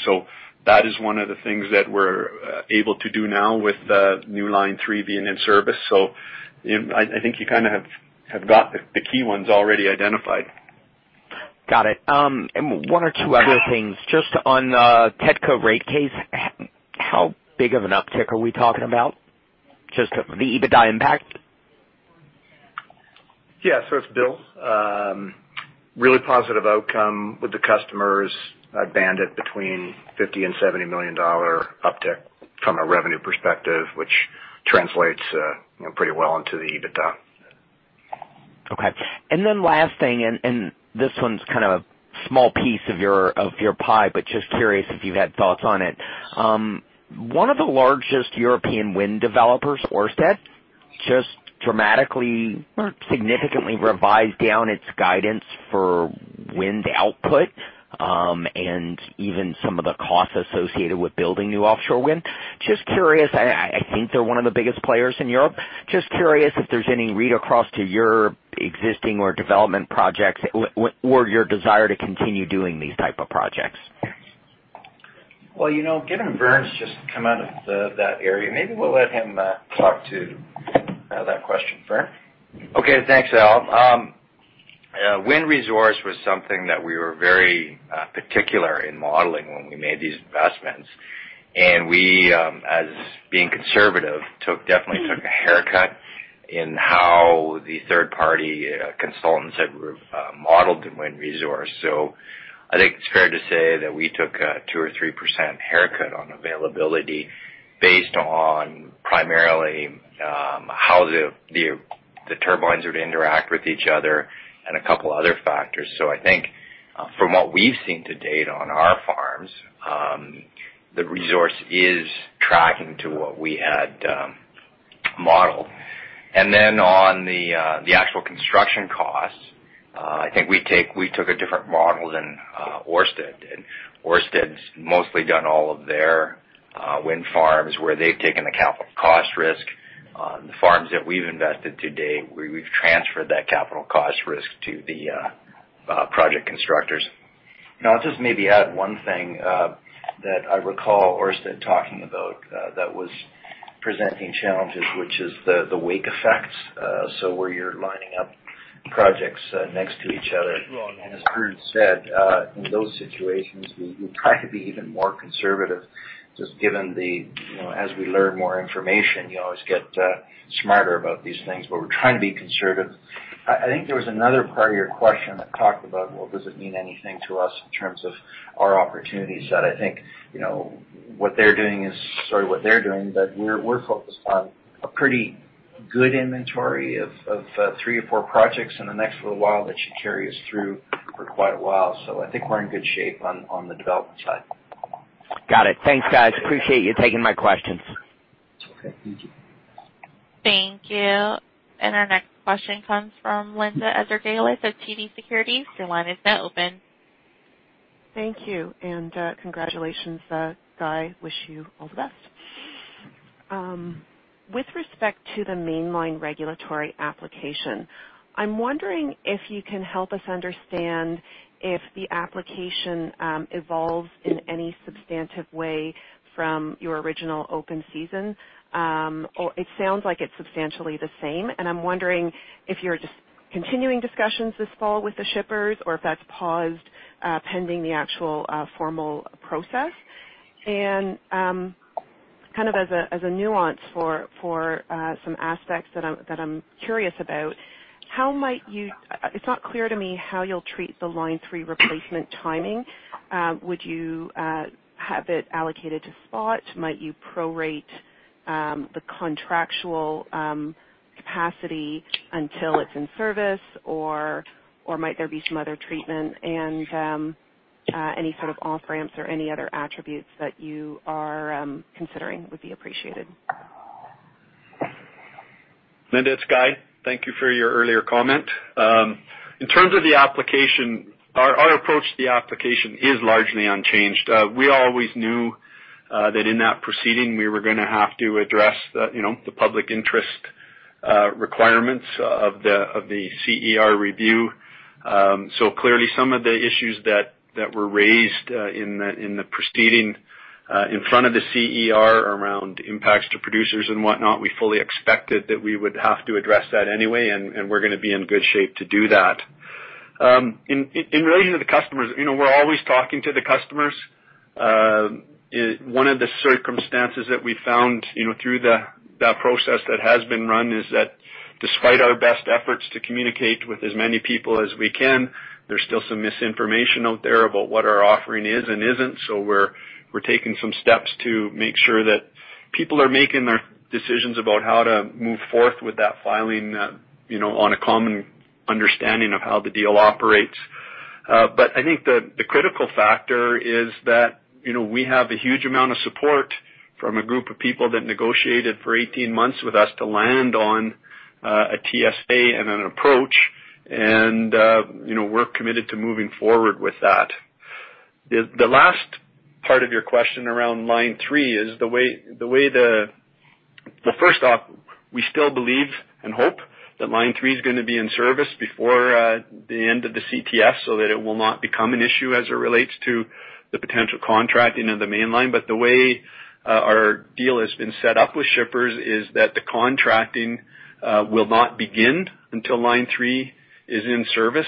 That is one of the things that we're able to do now with the new Line 3 being in service. I think you have got the key ones already identified. Got it. One or two other things. Just on TETCO rate case, how big of an uptick are we talking about? Just the EBITDA impact. Yeah. It's Bill. Really positive outcome with the customers. I band it between 50 million and 70 million dollar uptick from a revenue perspective, which translates pretty well into the EBITDA. Okay. Last thing, and this one's a small piece of your pie, but just curious if you had thoughts on it. One of the largest European wind developers, Ørsted, just dramatically or significantly revised down its guidance for wind output, and even some of the costs associated with building new offshore wind. I think they're one of the biggest players in Europe. Just curious if there's any read-across to your existing or development projects or your desire to continue doing these type of projects. Well, given Vern's just come out of that area, maybe we'll let him talk to that question. Vern? Okay. Thanks, Al. Wind resource was something that we were very particular in modeling when we made these investments. We, as being conservative, definitely took a haircut in how the third-party consultants had modeled the wind resource. I think it's fair to say that we took a 2% or 3% haircut on availability based on primarily how the turbines would interact with each other and a couple other factors. I think from what we've seen to date on our farms, the resource is tracking to what we had modeled. On the actual construction costs, I think we took a different model than Ørsted. Ørsted's mostly done all of their wind farms where they've taken the capital cost risk. On the farms that we've invested to date, we've transferred that capital cost risk to the project constructors. I'll just maybe add one thing that I recall Ørsted talking about that was presenting challenges, which is the wake effects, so where you're lining up. Projects next to each other. As Vern Yu said, in those situations, we try to be even more conservative. As we learn more information, you always get smarter about these things. We're trying to be conservative. I think there was another part of your question that talked about, well, does it mean anything to us in terms of our opportunities? what they're doing, we're focused on a pretty good inventory of three or four projects in the next little while that should carry us through for quite a while. I think we're in good shape on the development side. Got it. Thanks, guys. Appreciate you taking my questions. It's okay. Thank you. Thank you. Our next question comes from Linda Ezergailis of TD Securities. Your line is now open. Thank you, and congratulations, Guy. Wish you all the best. With respect to the Mainline regulatory application, I'm wondering if you can help us understand if the application evolves in any substantive way from your original open season. It sounds like it's substantially the same, and I'm wondering if you're just continuing discussions this fall with the shippers or if that's paused pending the actual formal process. As a nuance for some aspects that I'm curious about, it's not clear to me how you'll treat the Line 3 Replacement timing. Would you have it allocated to spot? Might you prorate the contractual capacity until it's in service, or might there be some other treatment? Any sort of off-ramps or any other attributes that you are considering would be appreciated. Linda, it's Guy. Thank you for your earlier comment. In terms of the application, our approach to the application is largely unchanged. We always knew that in that proceeding, we were going to have to address the public interest requirements of the CER review. Clearly, some of the issues that were raised in the proceeding in front of the CER around impacts to producers and whatnot, we fully expected that we would have to address that anyway, and we're going to be in good shape to do that. In relation to the customers, we're always talking to the customers. One of the circumstances that we found through that process that has been run is that despite our best efforts to communicate with as many people as we can, there's still some misinformation out there about what our offering is and isn't. We're taking some steps to make sure that people are making their decisions about how to move forth with that filing on a common understanding of how the deal operates. I think the critical factor is that we have a huge amount of support from a group of people that negotiated for 18 months with us to land on a TSA and an approach, and we're committed to moving forward with that. The last part of your question around Line 3 is. First off, we still believe and hope that Line 3 is going to be in service before the end of the CTS so that it will not become an issue as it relates to the potential contracting of the mainline. The way our deal has been set up with shippers is that the contracting will not begin until Line 3 is in service.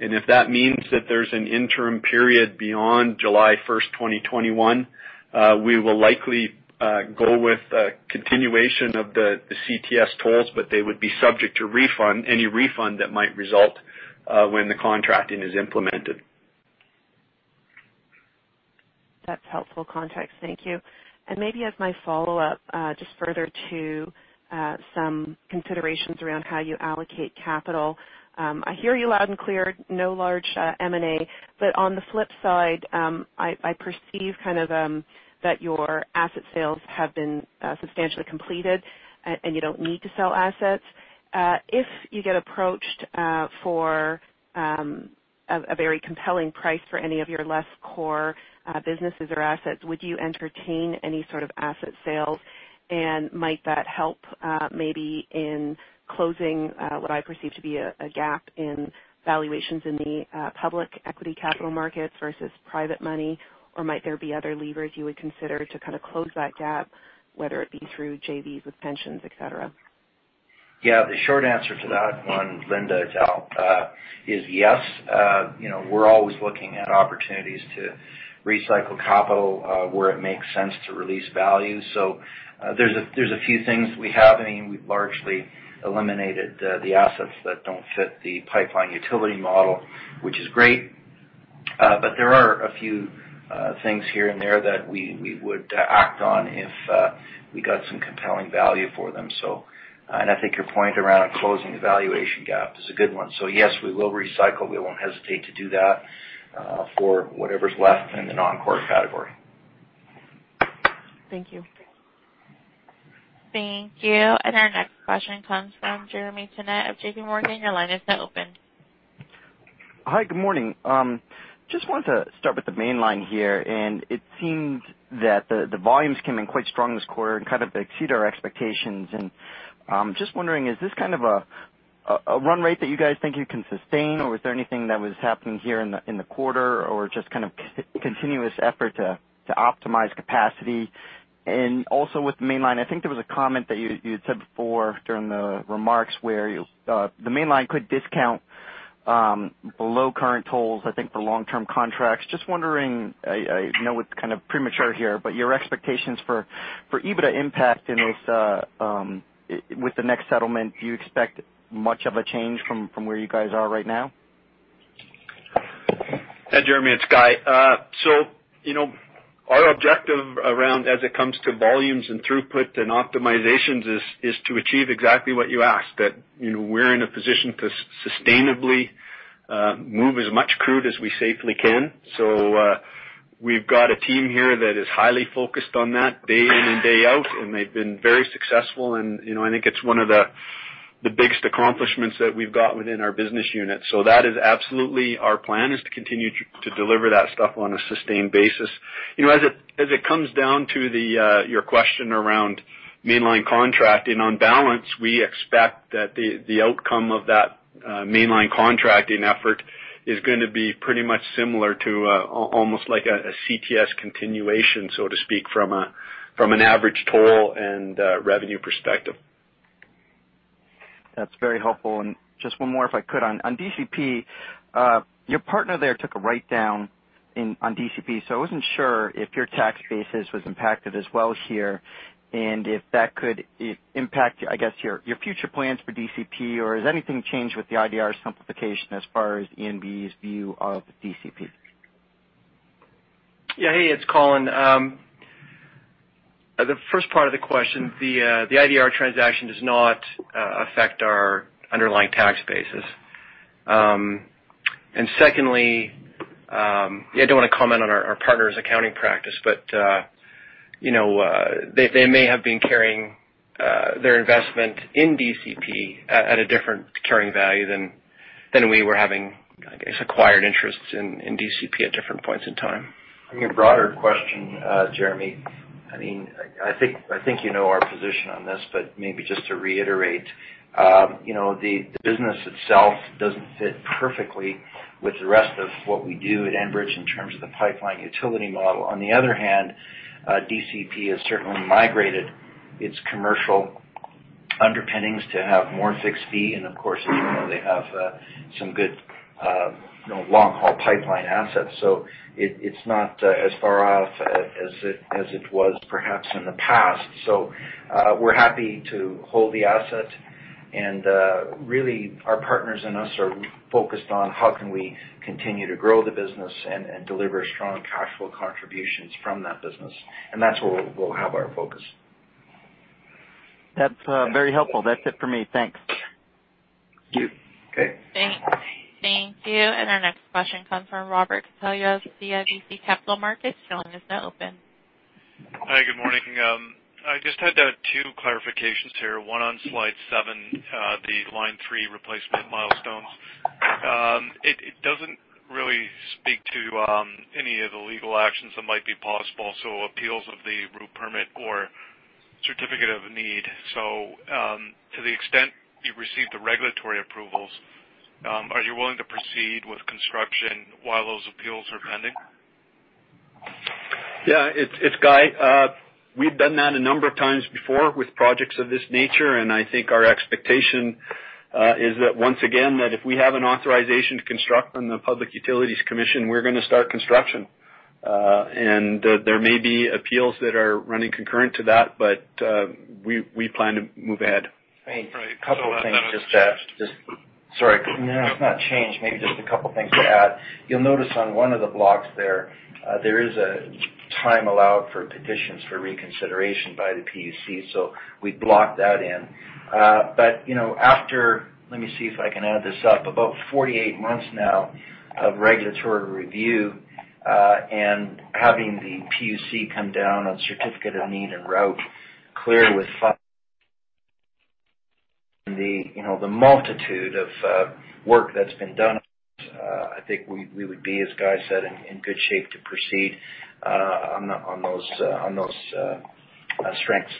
If that means that there's an interim period beyond July 1st, 2021, we will likely go with a continuation of the CTS tolls, but they would be subject to refund, any refund that might result when the contracting is implemented. That's helpful context. Thank you. Maybe as my follow-up, just further to some considerations around how you allocate capital. I hear you loud and clear, no large M&A, but on the flip side, I perceive that your asset sales have been substantially completed and you don't need to sell assets. If you get approached for a very compelling price for any of your less core businesses or assets, would you entertain any sort of asset sales? Might that help maybe in closing what I perceive to be a gap in valuations in the public equity capital markets versus private money? Might there be other levers you would consider to close that gap, whether it be through JVs with pensions, et cetera? The short answer to that one, Linda, is yes. We're always looking at opportunities to recycle capital where it makes sense to release value. There's a few things we have, and we've largely eliminated the assets that don't fit the pipeline utility model, which is great. There are a few things here and there that we would act on if we got some compelling value for them. I think your point around closing the valuation gap is a good one. Yes, we will recycle. We won't hesitate to do that for whatever's left in the non-core category. Thank you. Thank you. Our next question comes from Jeremy Tonet of JPMorgan. Your line is now open. Hi, good morning. Just wanted to start with the Mainline here. It seems that the volumes came in quite strong this quarter and kind of exceeded our expectations. Just wondering, is this kind of a run rate that you guys think you can sustain, or is there anything that was happening here in the quarter or just continuous effort to optimize capacity? Also with the Mainline, I think there was a comment that you'd said before during the remarks where the Mainline could discount below current tolls, I think, for long-term contracts. I am just wondering, I know it's premature here, but your expectations for EBITDA impact with the next settlement. Do you expect much of a change from where you guys are right now? Yeah, Jeremy, it's Guy. Our objective around, as it comes to volumes and throughput and optimizations, is to achieve exactly what you asked. We're in a position to sustainably move as much crude as we safely can. We've got a team here that is highly focused on that day in and day out, and they've been very successful. I think it's one of the biggest accomplishments that we've got within our business unit. That is absolutely our plan, is to continue to deliver that stuff on a sustained basis. As it comes down to your question around mainline contracting, on balance, we expect that the outcome of that mainline contracting effort is going to be pretty much similar to almost like a CTS continuation, so to speak, from an average toll and revenue perspective. That's very helpful, and just one more if I could. On DCP, your partner there took a write-down on DCP, so I wasn't sure if your tax basis was impacted as well here, and if that could impact, I guess, your future plans for DCP, or has anything changed with the IDR simplification as far as ENB's view of DCP? Yeah. Hey, it's Colin. The first part of the question, the IDR transaction does not affect our underlying tax basis. Secondly, I don't want to comment on our partner's accounting practice, but they may have been carrying their investment in DCP at a different carrying value than we were having, I guess, acquired interests in DCP at different points in time. On your broader question, Jeremy, I think you know our position on this, but maybe just to reiterate. The business itself doesn't fit perfectly with the rest of what we do at Enbridge in terms of the pipeline utility model. On the other hand, DCP has certainly migrated its commercial underpinnings to have more fixed fee, and of course, as you know, they have some good long-haul pipeline assets. It's not as far off as it was perhaps in the past. We're happy to hold the asset, and really, our partners and us are focused on how can we continue to grow the business and deliver strong cash flow contributions from that business. That's where we'll have our focus. That's very helpful. That's it for me. Thanks. Thank you. Okay. Thank you. Our next question comes from Robert Catellier of CIBC Capital Markets. Your line is now open. Hi, good morning. I just had two clarifications here, one on slide seven, the Line 3 Replacement milestones. It doesn't really speak to any of the legal actions that might be possible, so appeals of the route permit or certificate of need. To the extent you received the regulatory approvals, are you willing to proceed with construction while those appeals are pending? Yeah. It's Guy. We've done that a number of times before with projects of this nature, I think our expectation is that, once again, that if we have an authorization to construct from the Public Utilities Commission, we're going to start construction. There may be appeals that are running concurrent to that, but we plan to move ahead. Right. A couple of things just to add. Sorry. No, it's not changed. Maybe just a couple things to add. You'll notice on one of the blocks there is a time allowed for petitions for reconsideration by the PUC, so we blocked that in. After, let me see if I can add this up, about 48 months now of regulatory review, and having the PUC come down on certificate of need and route cleared with the multitude of work that's been done, I think we would be, as Guy said, in good shape to proceed on those strengths.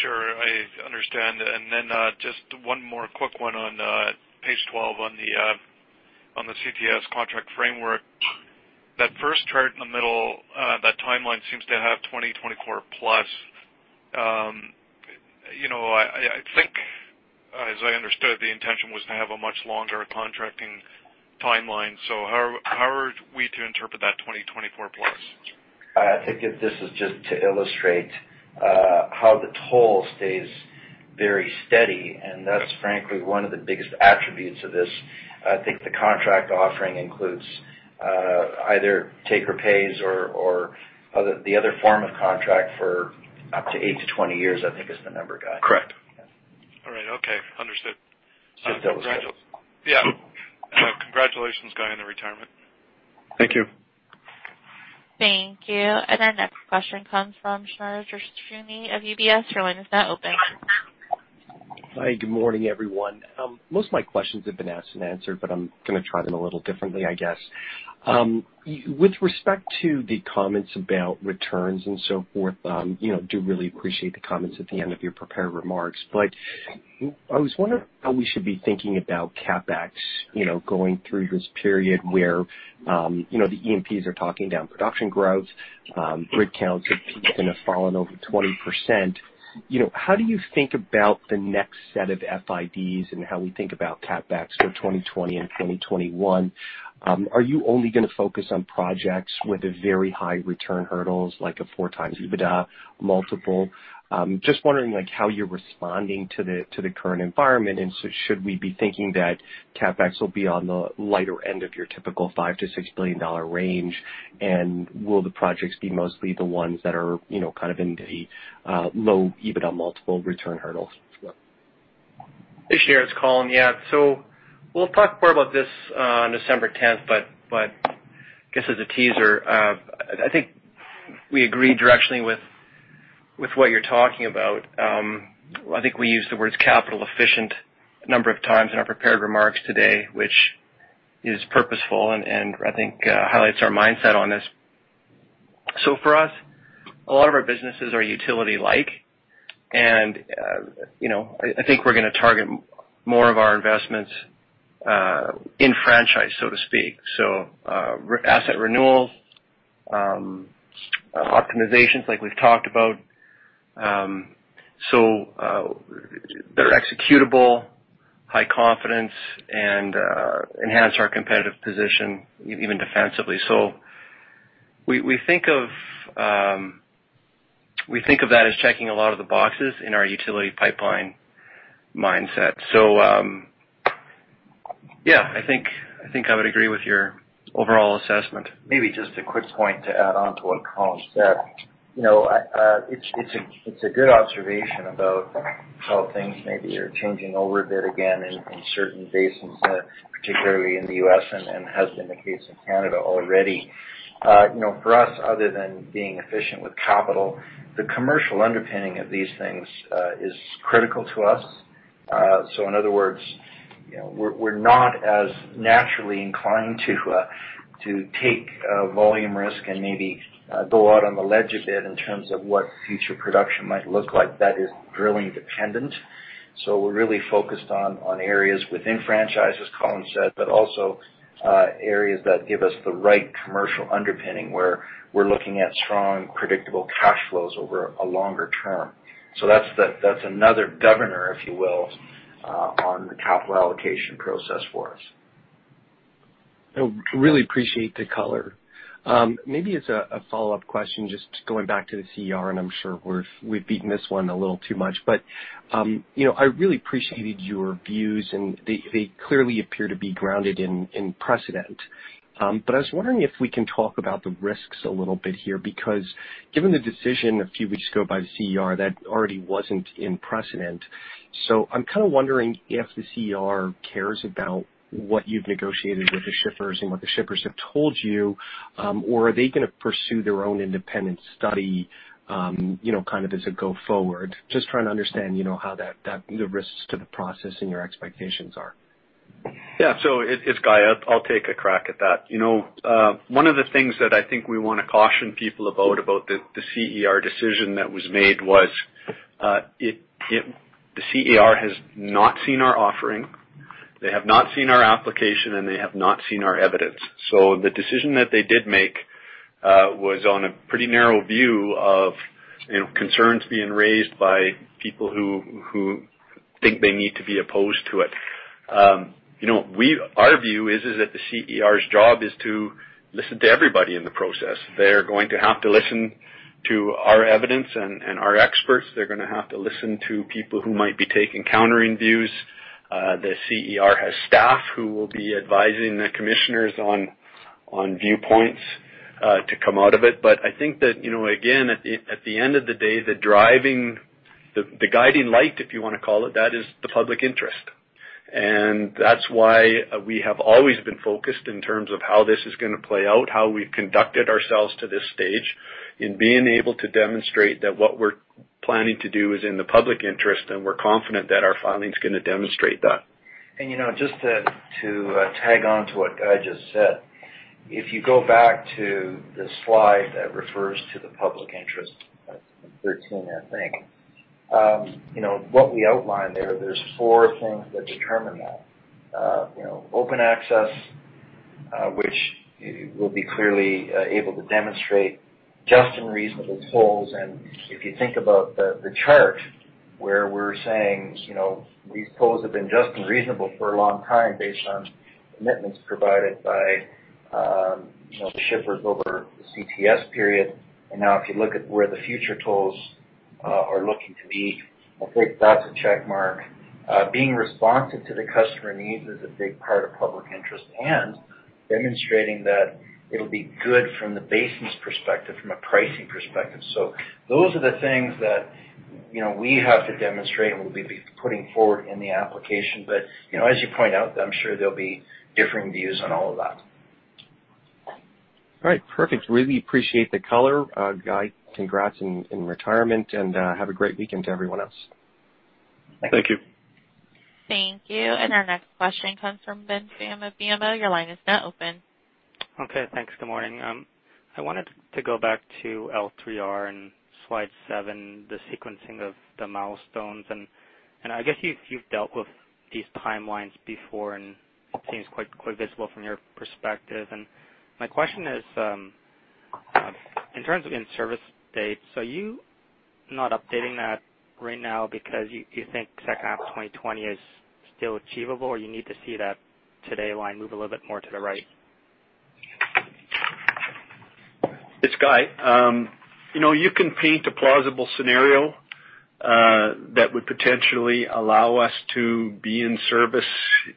Sure. I understand. Just one more quick one on page 12, on the CTS contract framework. That first chart in the middle, that timeline seems to have 2024 plus. I think, as I understood, the intention was to have a much longer contracting timeline. How are we to interpret that 2024 plus? I think this is just to illustrate how the toll stays very steady, and that's frankly one of the biggest attributes of this. I think the contract offering includes either take or pays or the other form of contract for up to 8-20 years, I think is the number, Guy. Correct. All right. Okay. Understood. Yes, that was me. Yeah. Congratulations, Guy, on the retirement. Thank you. Thank you. Our next question comes from Sharareh Shahrshoubi of UBS. Your line is now open. Hi, good morning, everyone. Most of my questions have been asked and answered. I'm going to try them a little differently, I guess. With respect to the comments about returns and so forth, I do really appreciate the comments at the end of your prepared remarks. I was wondering how we should be thinking about CapEx, going through this period where the E&Ps are talking down production growth, rig counts have peaked and have fallen over 20%. How do you think about the next set of FIDs and how we think about CapEx for 2020 and 2021? Are you only going to focus on projects with very high return hurdles, like a 4x EBITDA multiple? Just wondering how you're responding to the current environment, should we be thinking that CapEx will be on the lighter end of your typical 5 billion-6 billion dollar range? Will the projects be mostly the ones that are in the low EBITDA multiple return hurdles as well? This is Colin. Yeah. We'll talk more about this on December 10th, but I guess as a teaser, I think we agree directionally with what you're talking about. I think we used the words capital efficient a number of times in our prepared remarks today, which is purposeful and I think highlights our mindset on this. For us, a lot of our businesses are utility-like, and I think we're going to target more of our investments in franchise, so to speak. Asset renewals, optimizations like we've talked about. They're executable, high confidence, and enhance our competitive position even defensively. We think of that as checking a lot of the boxes in our utility pipeline mindset. Yeah, I think I would agree with your overall assessment. Maybe just a quick point to add on to what Colin said. It's a good observation about how things maybe are changing over a bit again in certain basins, particularly in the U.S., and has been the case in Canada already. For us, other than being efficient with capital, the commercial underpinning of these things is critical to us. In other words, we're not as naturally inclined to take volume risk and maybe go out on a ledge a bit in terms of what future production might look like that is drilling dependent. We're really focused on areas within franchise, as Colin said, but also areas that give us the right commercial underpinning, where we're looking at strong, predictable cash flows over a longer term. That's another governor, if you will, on the capital allocation process for us. I really appreciate the color. Maybe as a follow-up question, just going back to the CER, and I'm sure we've beaten this one a little too much, but I really appreciated your views, and they clearly appear to be grounded in precedent. I was wondering if we can talk about the risks a little bit here, because given the decision a few weeks ago by the CER, that already wasn't in precedent. I'm kind of wondering if the CER cares about what you've negotiated with the shippers and what the shippers have told you, or are they going to pursue their own independent study as a go forward? I am just trying to understand the risks to the process and your expectations are. It's Guy. I'll take a crack at that. One of the things that I think we want to caution people about the CER decision that was made was the CER has not seen our offering, they have not seen our application, and they have not seen our evidence. The decision that they did make was on a pretty narrow view of concerns being raised by people who think they need to be opposed to it. Our view is that the CER's job is to listen to everybody in the process. They're going to have to listen to our evidence and our experts. They're going to have to listen to people who might be taking countering views. The CER has staff who will be advising the commissioners on viewpoints to come out of it. I think that, again, at the end of the day, the guiding light, if you want to call it that, is the public interest. That's why we have always been focused in terms of how this is going to play out, how we've conducted ourselves to this stage in being able to demonstrate that what we're planning to do is in the public interest, and we're confident that our filing is going to demonstrate that. Just to tag on to what Guy just said, if you go back to the slide that refers to the public interest, 13, I think. What we outline there's four things that determine that. Open access, which we'll be clearly able to demonstrate just and reasonable tolls. If you think about the chart where we're saying these tolls have been just and reasonable for a long time based on commitments provided by the shippers over the CTS period. Now if you look at where the future tolls are looking to be, I think that's a check mark. Being responsive to the customer needs is a big part of public interest and demonstrating that it'll be good from the basin's perspective, from a pricing perspective. Those are the things that we have to demonstrate and we'll be putting forward in the application. As you point out, I'm sure there'll be differing views on all of that. All right. Perfect. Really appreciate the color. Guy, congrats in retirement. Have a great weekend to everyone else. Thank you. Thank you. Our next question comes from Ben Pham of BMO. Your line is now open. Okay, thanks. Good morning. I wanted to go back to L3R and slide seven, the sequencing of the milestones. I guess you've dealt with these timelines before and it seems quite visible from your perspective. My question is, in terms of in-service dates, are you not updating that right now because you think second half of 2020 is still achievable, or you need to see that today line move a little bit more to the right? It's Guy. You can paint a plausible scenario that would potentially allow us to be in service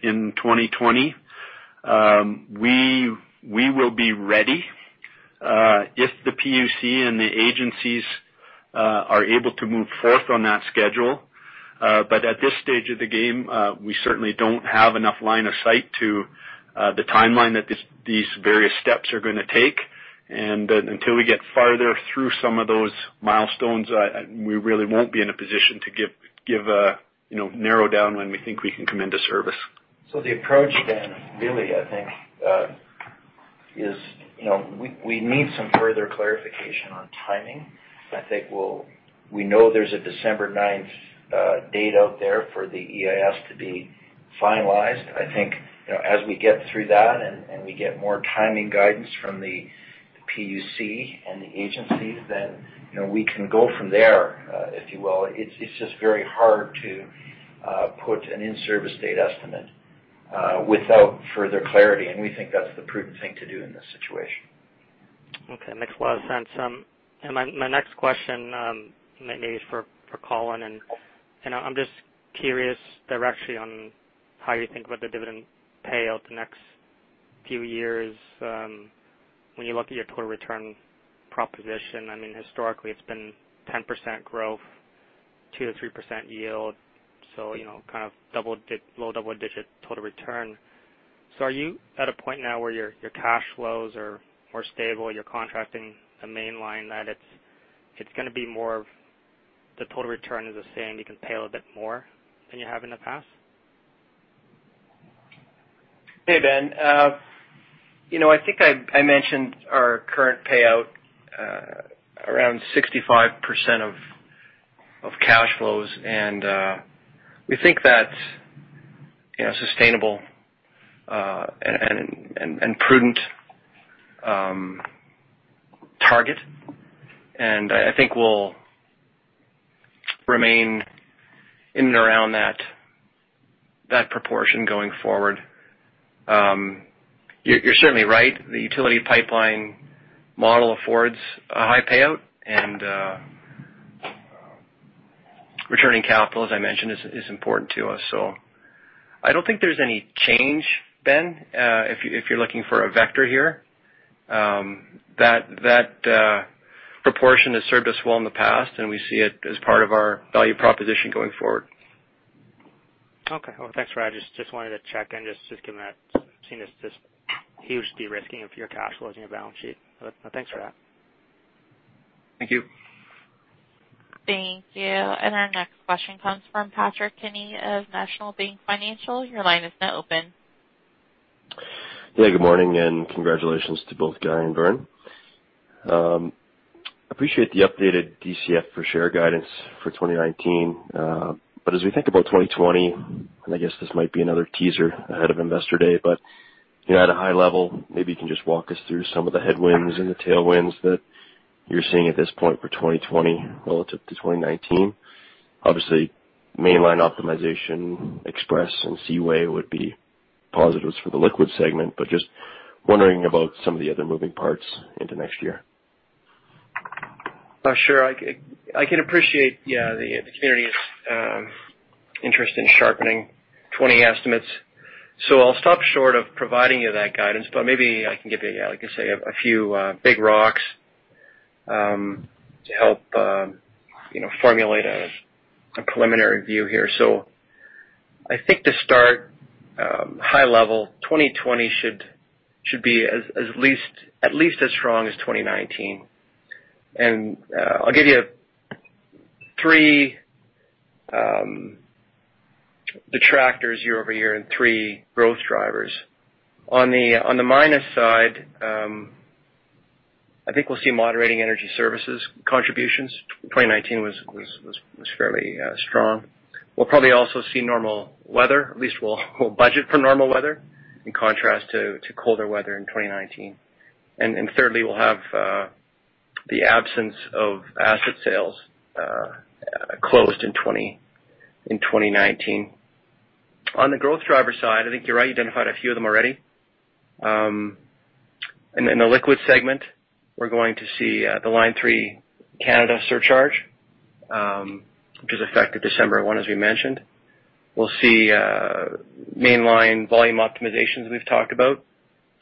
in 2020. We will be ready if the PUC and the agencies are able to move forth on that schedule. At this stage of the game, we certainly don't have enough line of sight to the timeline that these various steps are going to take. Until we get farther through some of those milestones, we really won't be in a position to narrow down when we think we can come into service. The approach, Ben, really, I think, is we need some further clarification on timing. We know there's a December 9th date out there for the EIS to be finalized. I think, as we get through that and we get more timing guidance from the PUC and the agencies, we can go from there, if you will. It's just very hard to put an in-service date estimate without further clarity, and we think that's the prudent thing to do in this situation. Okay. Makes a lot of sense. My next question maybe is for Colin, I'm just curious directionally on how you think about the dividend payout the next few years. When you look at your total return proposition, historically it's been 10% growth, 2%-3% yield, low double-digit total return. Are you at a point now where your cash flows are more stable, you're contracting the Mainline, that it's going to be more of the total return is the same, you can pay a little bit more than you have in the past? Hey, Ben. I think I mentioned our current payout around 65% of cash flows. We think that's sustainable and prudent target. I think we'll remain in and around that proportion going forward. You're certainly right. The utility pipeline model affords a high payout, and returning capital, as I mentioned, is important to us. I don't think there's any change, Ben, if you're looking for a vector here. That proportion has served us well in the past, and we see it as part of our value proposition going forward. Okay. Well, thanks for that. Just wanted to check and just given that seeing this huge de-risking of your cash flows in your balance sheet. Thanks for that. Thank you. Thank you. Our next question comes from Patrick Kenny of National Bank Financial. Your line is now open. Yeah, good morning, and congratulations to both Guy and Vern. As we think about 2020, and I guess this might be another teaser ahead of Investor Day, at a high level, maybe you can just walk us through some of the headwinds and the tailwinds that you're seeing at this point for 2020 relative to 2019. Obviously, Mainline optimization, Express and Seaway would be positives for the liquid segment, just wondering about some of the other moving parts into next year. Sure. I can appreciate the community's interest in sharpening 2020 estimates. I'll stop short of providing you that guidance, but maybe I can give you, like I say, a few big rocks to help formulate a preliminary view here. I think to start, high level, 2020 should be at least as strong as 2019. I'll give you three detractors year-over-year and three growth drivers. On the minus side, I think we'll see moderating energy services contributions. 2019 was fairly strong. We'll probably also see normal weather. At least we'll budget for normal weather in contrast to colder weather in 2019. Thirdly, we'll have the absence of asset sales closed in 2019. On the growth driver side, I think you've already identified a few of them already. In the liquids segment, we're going to see the Line 3 Canada surcharge, which was effective December 1, as we mentioned. We'll see mainline volume optimizations we've talked about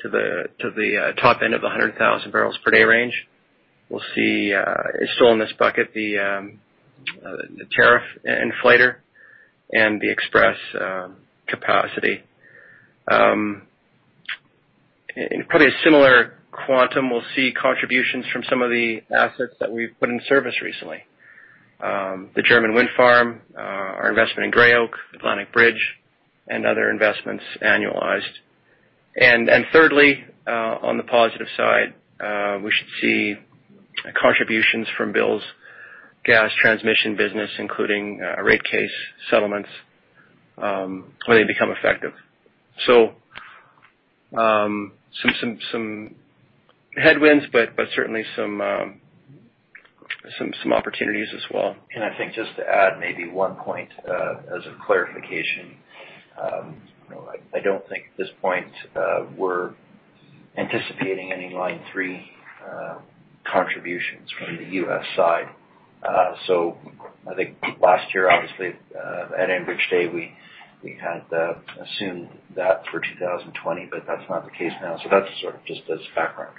to the top end of 100,000 barrels per day range. We'll see, still in this bucket, the tariff inflator and the Express capacity. Probably a similar quantum, we'll see contributions from some of the assets that we've put in service recently. The German wind farm, our investment in Gray Oak, Atlantic Bridge, and other investments annualized. Thirdly, on the positive side, we should see contributions from Bill's Gas Transmission business, including rate case settlements, when they become effective. Some headwinds, but certainly some opportunities as well. I think just to add maybe one point, as a clarification. I don't think at this point we're anticipating any Line 3 contributions from the U.S. side. I think last year, obviously, at Enbridge Day, we had assumed that for 2020, but that's not the case now. That's sort of just as background.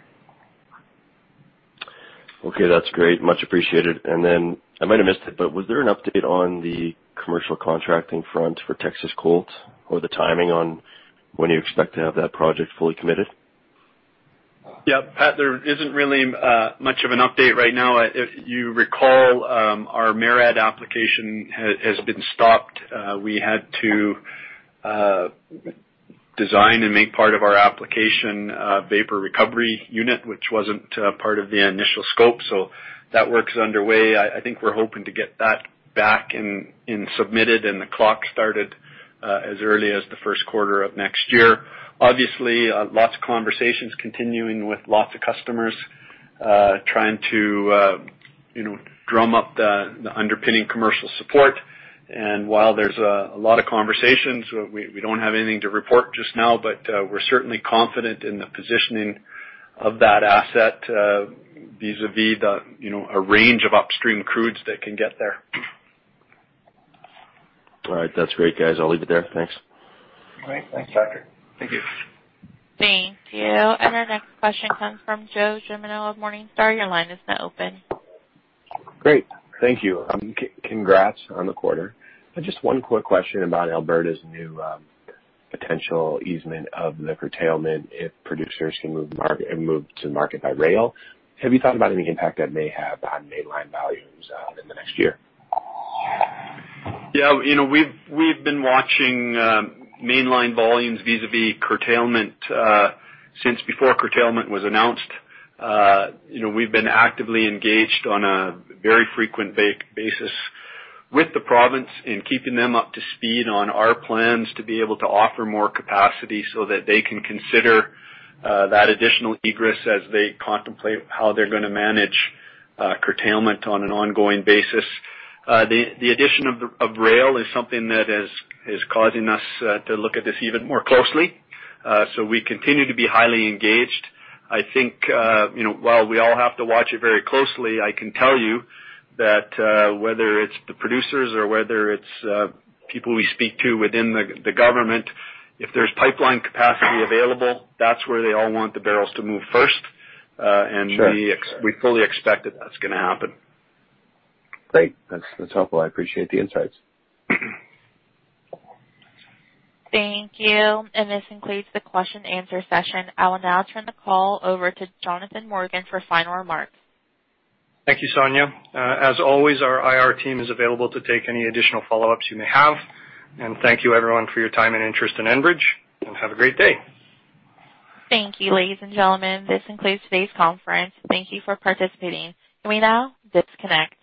Okay, that's great. Much appreciated. I might have missed it, but was there an update on the commercial contracting front for Texas COLT? The timing on when you expect to have that project fully committed? Yeah, Pat, there isn't really much of an update right now. If you recall, our MERIT application has been stopped. We had to design and make part of our application a vapor recovery unit, which wasn't part of the initial scope. That work's underway. I think we're hoping to get that back and submitted and the clock started as early as the first quarter of next year. Obviously, lots of conversations continuing with lots of customers, trying to drum up the underpinning commercial support. While there's a lot of conversations, we don't have anything to report just now, but we're certainly confident in the positioning of that asset vis-a-vis a range of upstream crudes that can get there. All right. That's great, guys. I'll leave it there. Thanks. Great. Thanks, Patrick. Thank you. Thank you. Our next question comes from Joe Gemino of Morningstar. Your line is now open. Great. Thank you. Congrats on the quarter. One quick question about Alberta's new potential easement of the curtailment if producers can move to market by rail. Have you thought about any impact that may have on Mainline volumes in the next year? Yeah, we've been watching mainline volumes vis-a-vis curtailment since before curtailment was announced. We've been actively engaged on a very frequent basis with the province in keeping them up to speed on our plans to be able to offer more capacity so that they can consider that additional egress as they contemplate how they're going to manage curtailment on an ongoing basis. The addition of rail is something that is causing us to look at this even more closely. We continue to be highly engaged. I think while we all have to watch it very closely, I can tell you that whether it's the producers or whether it's people we speak to within the government, if there's pipeline capacity available, that's where they all want the barrels to move first. Sure. We fully expect that that's going to happen. Great. That's helpful. I appreciate the insights. Thank you. This concludes the question and answer session. I will now turn the call over to Jonathan Morgan for final remarks. Thank you, Sonia. As always, our IR team is available to take any additional follow-ups you may have. Thank you everyone for your time and interest in Enbridge, and have a great day. Thank you, ladies and gentlemen, this concludes today's conference. Thank you for participating. You may now disconnect.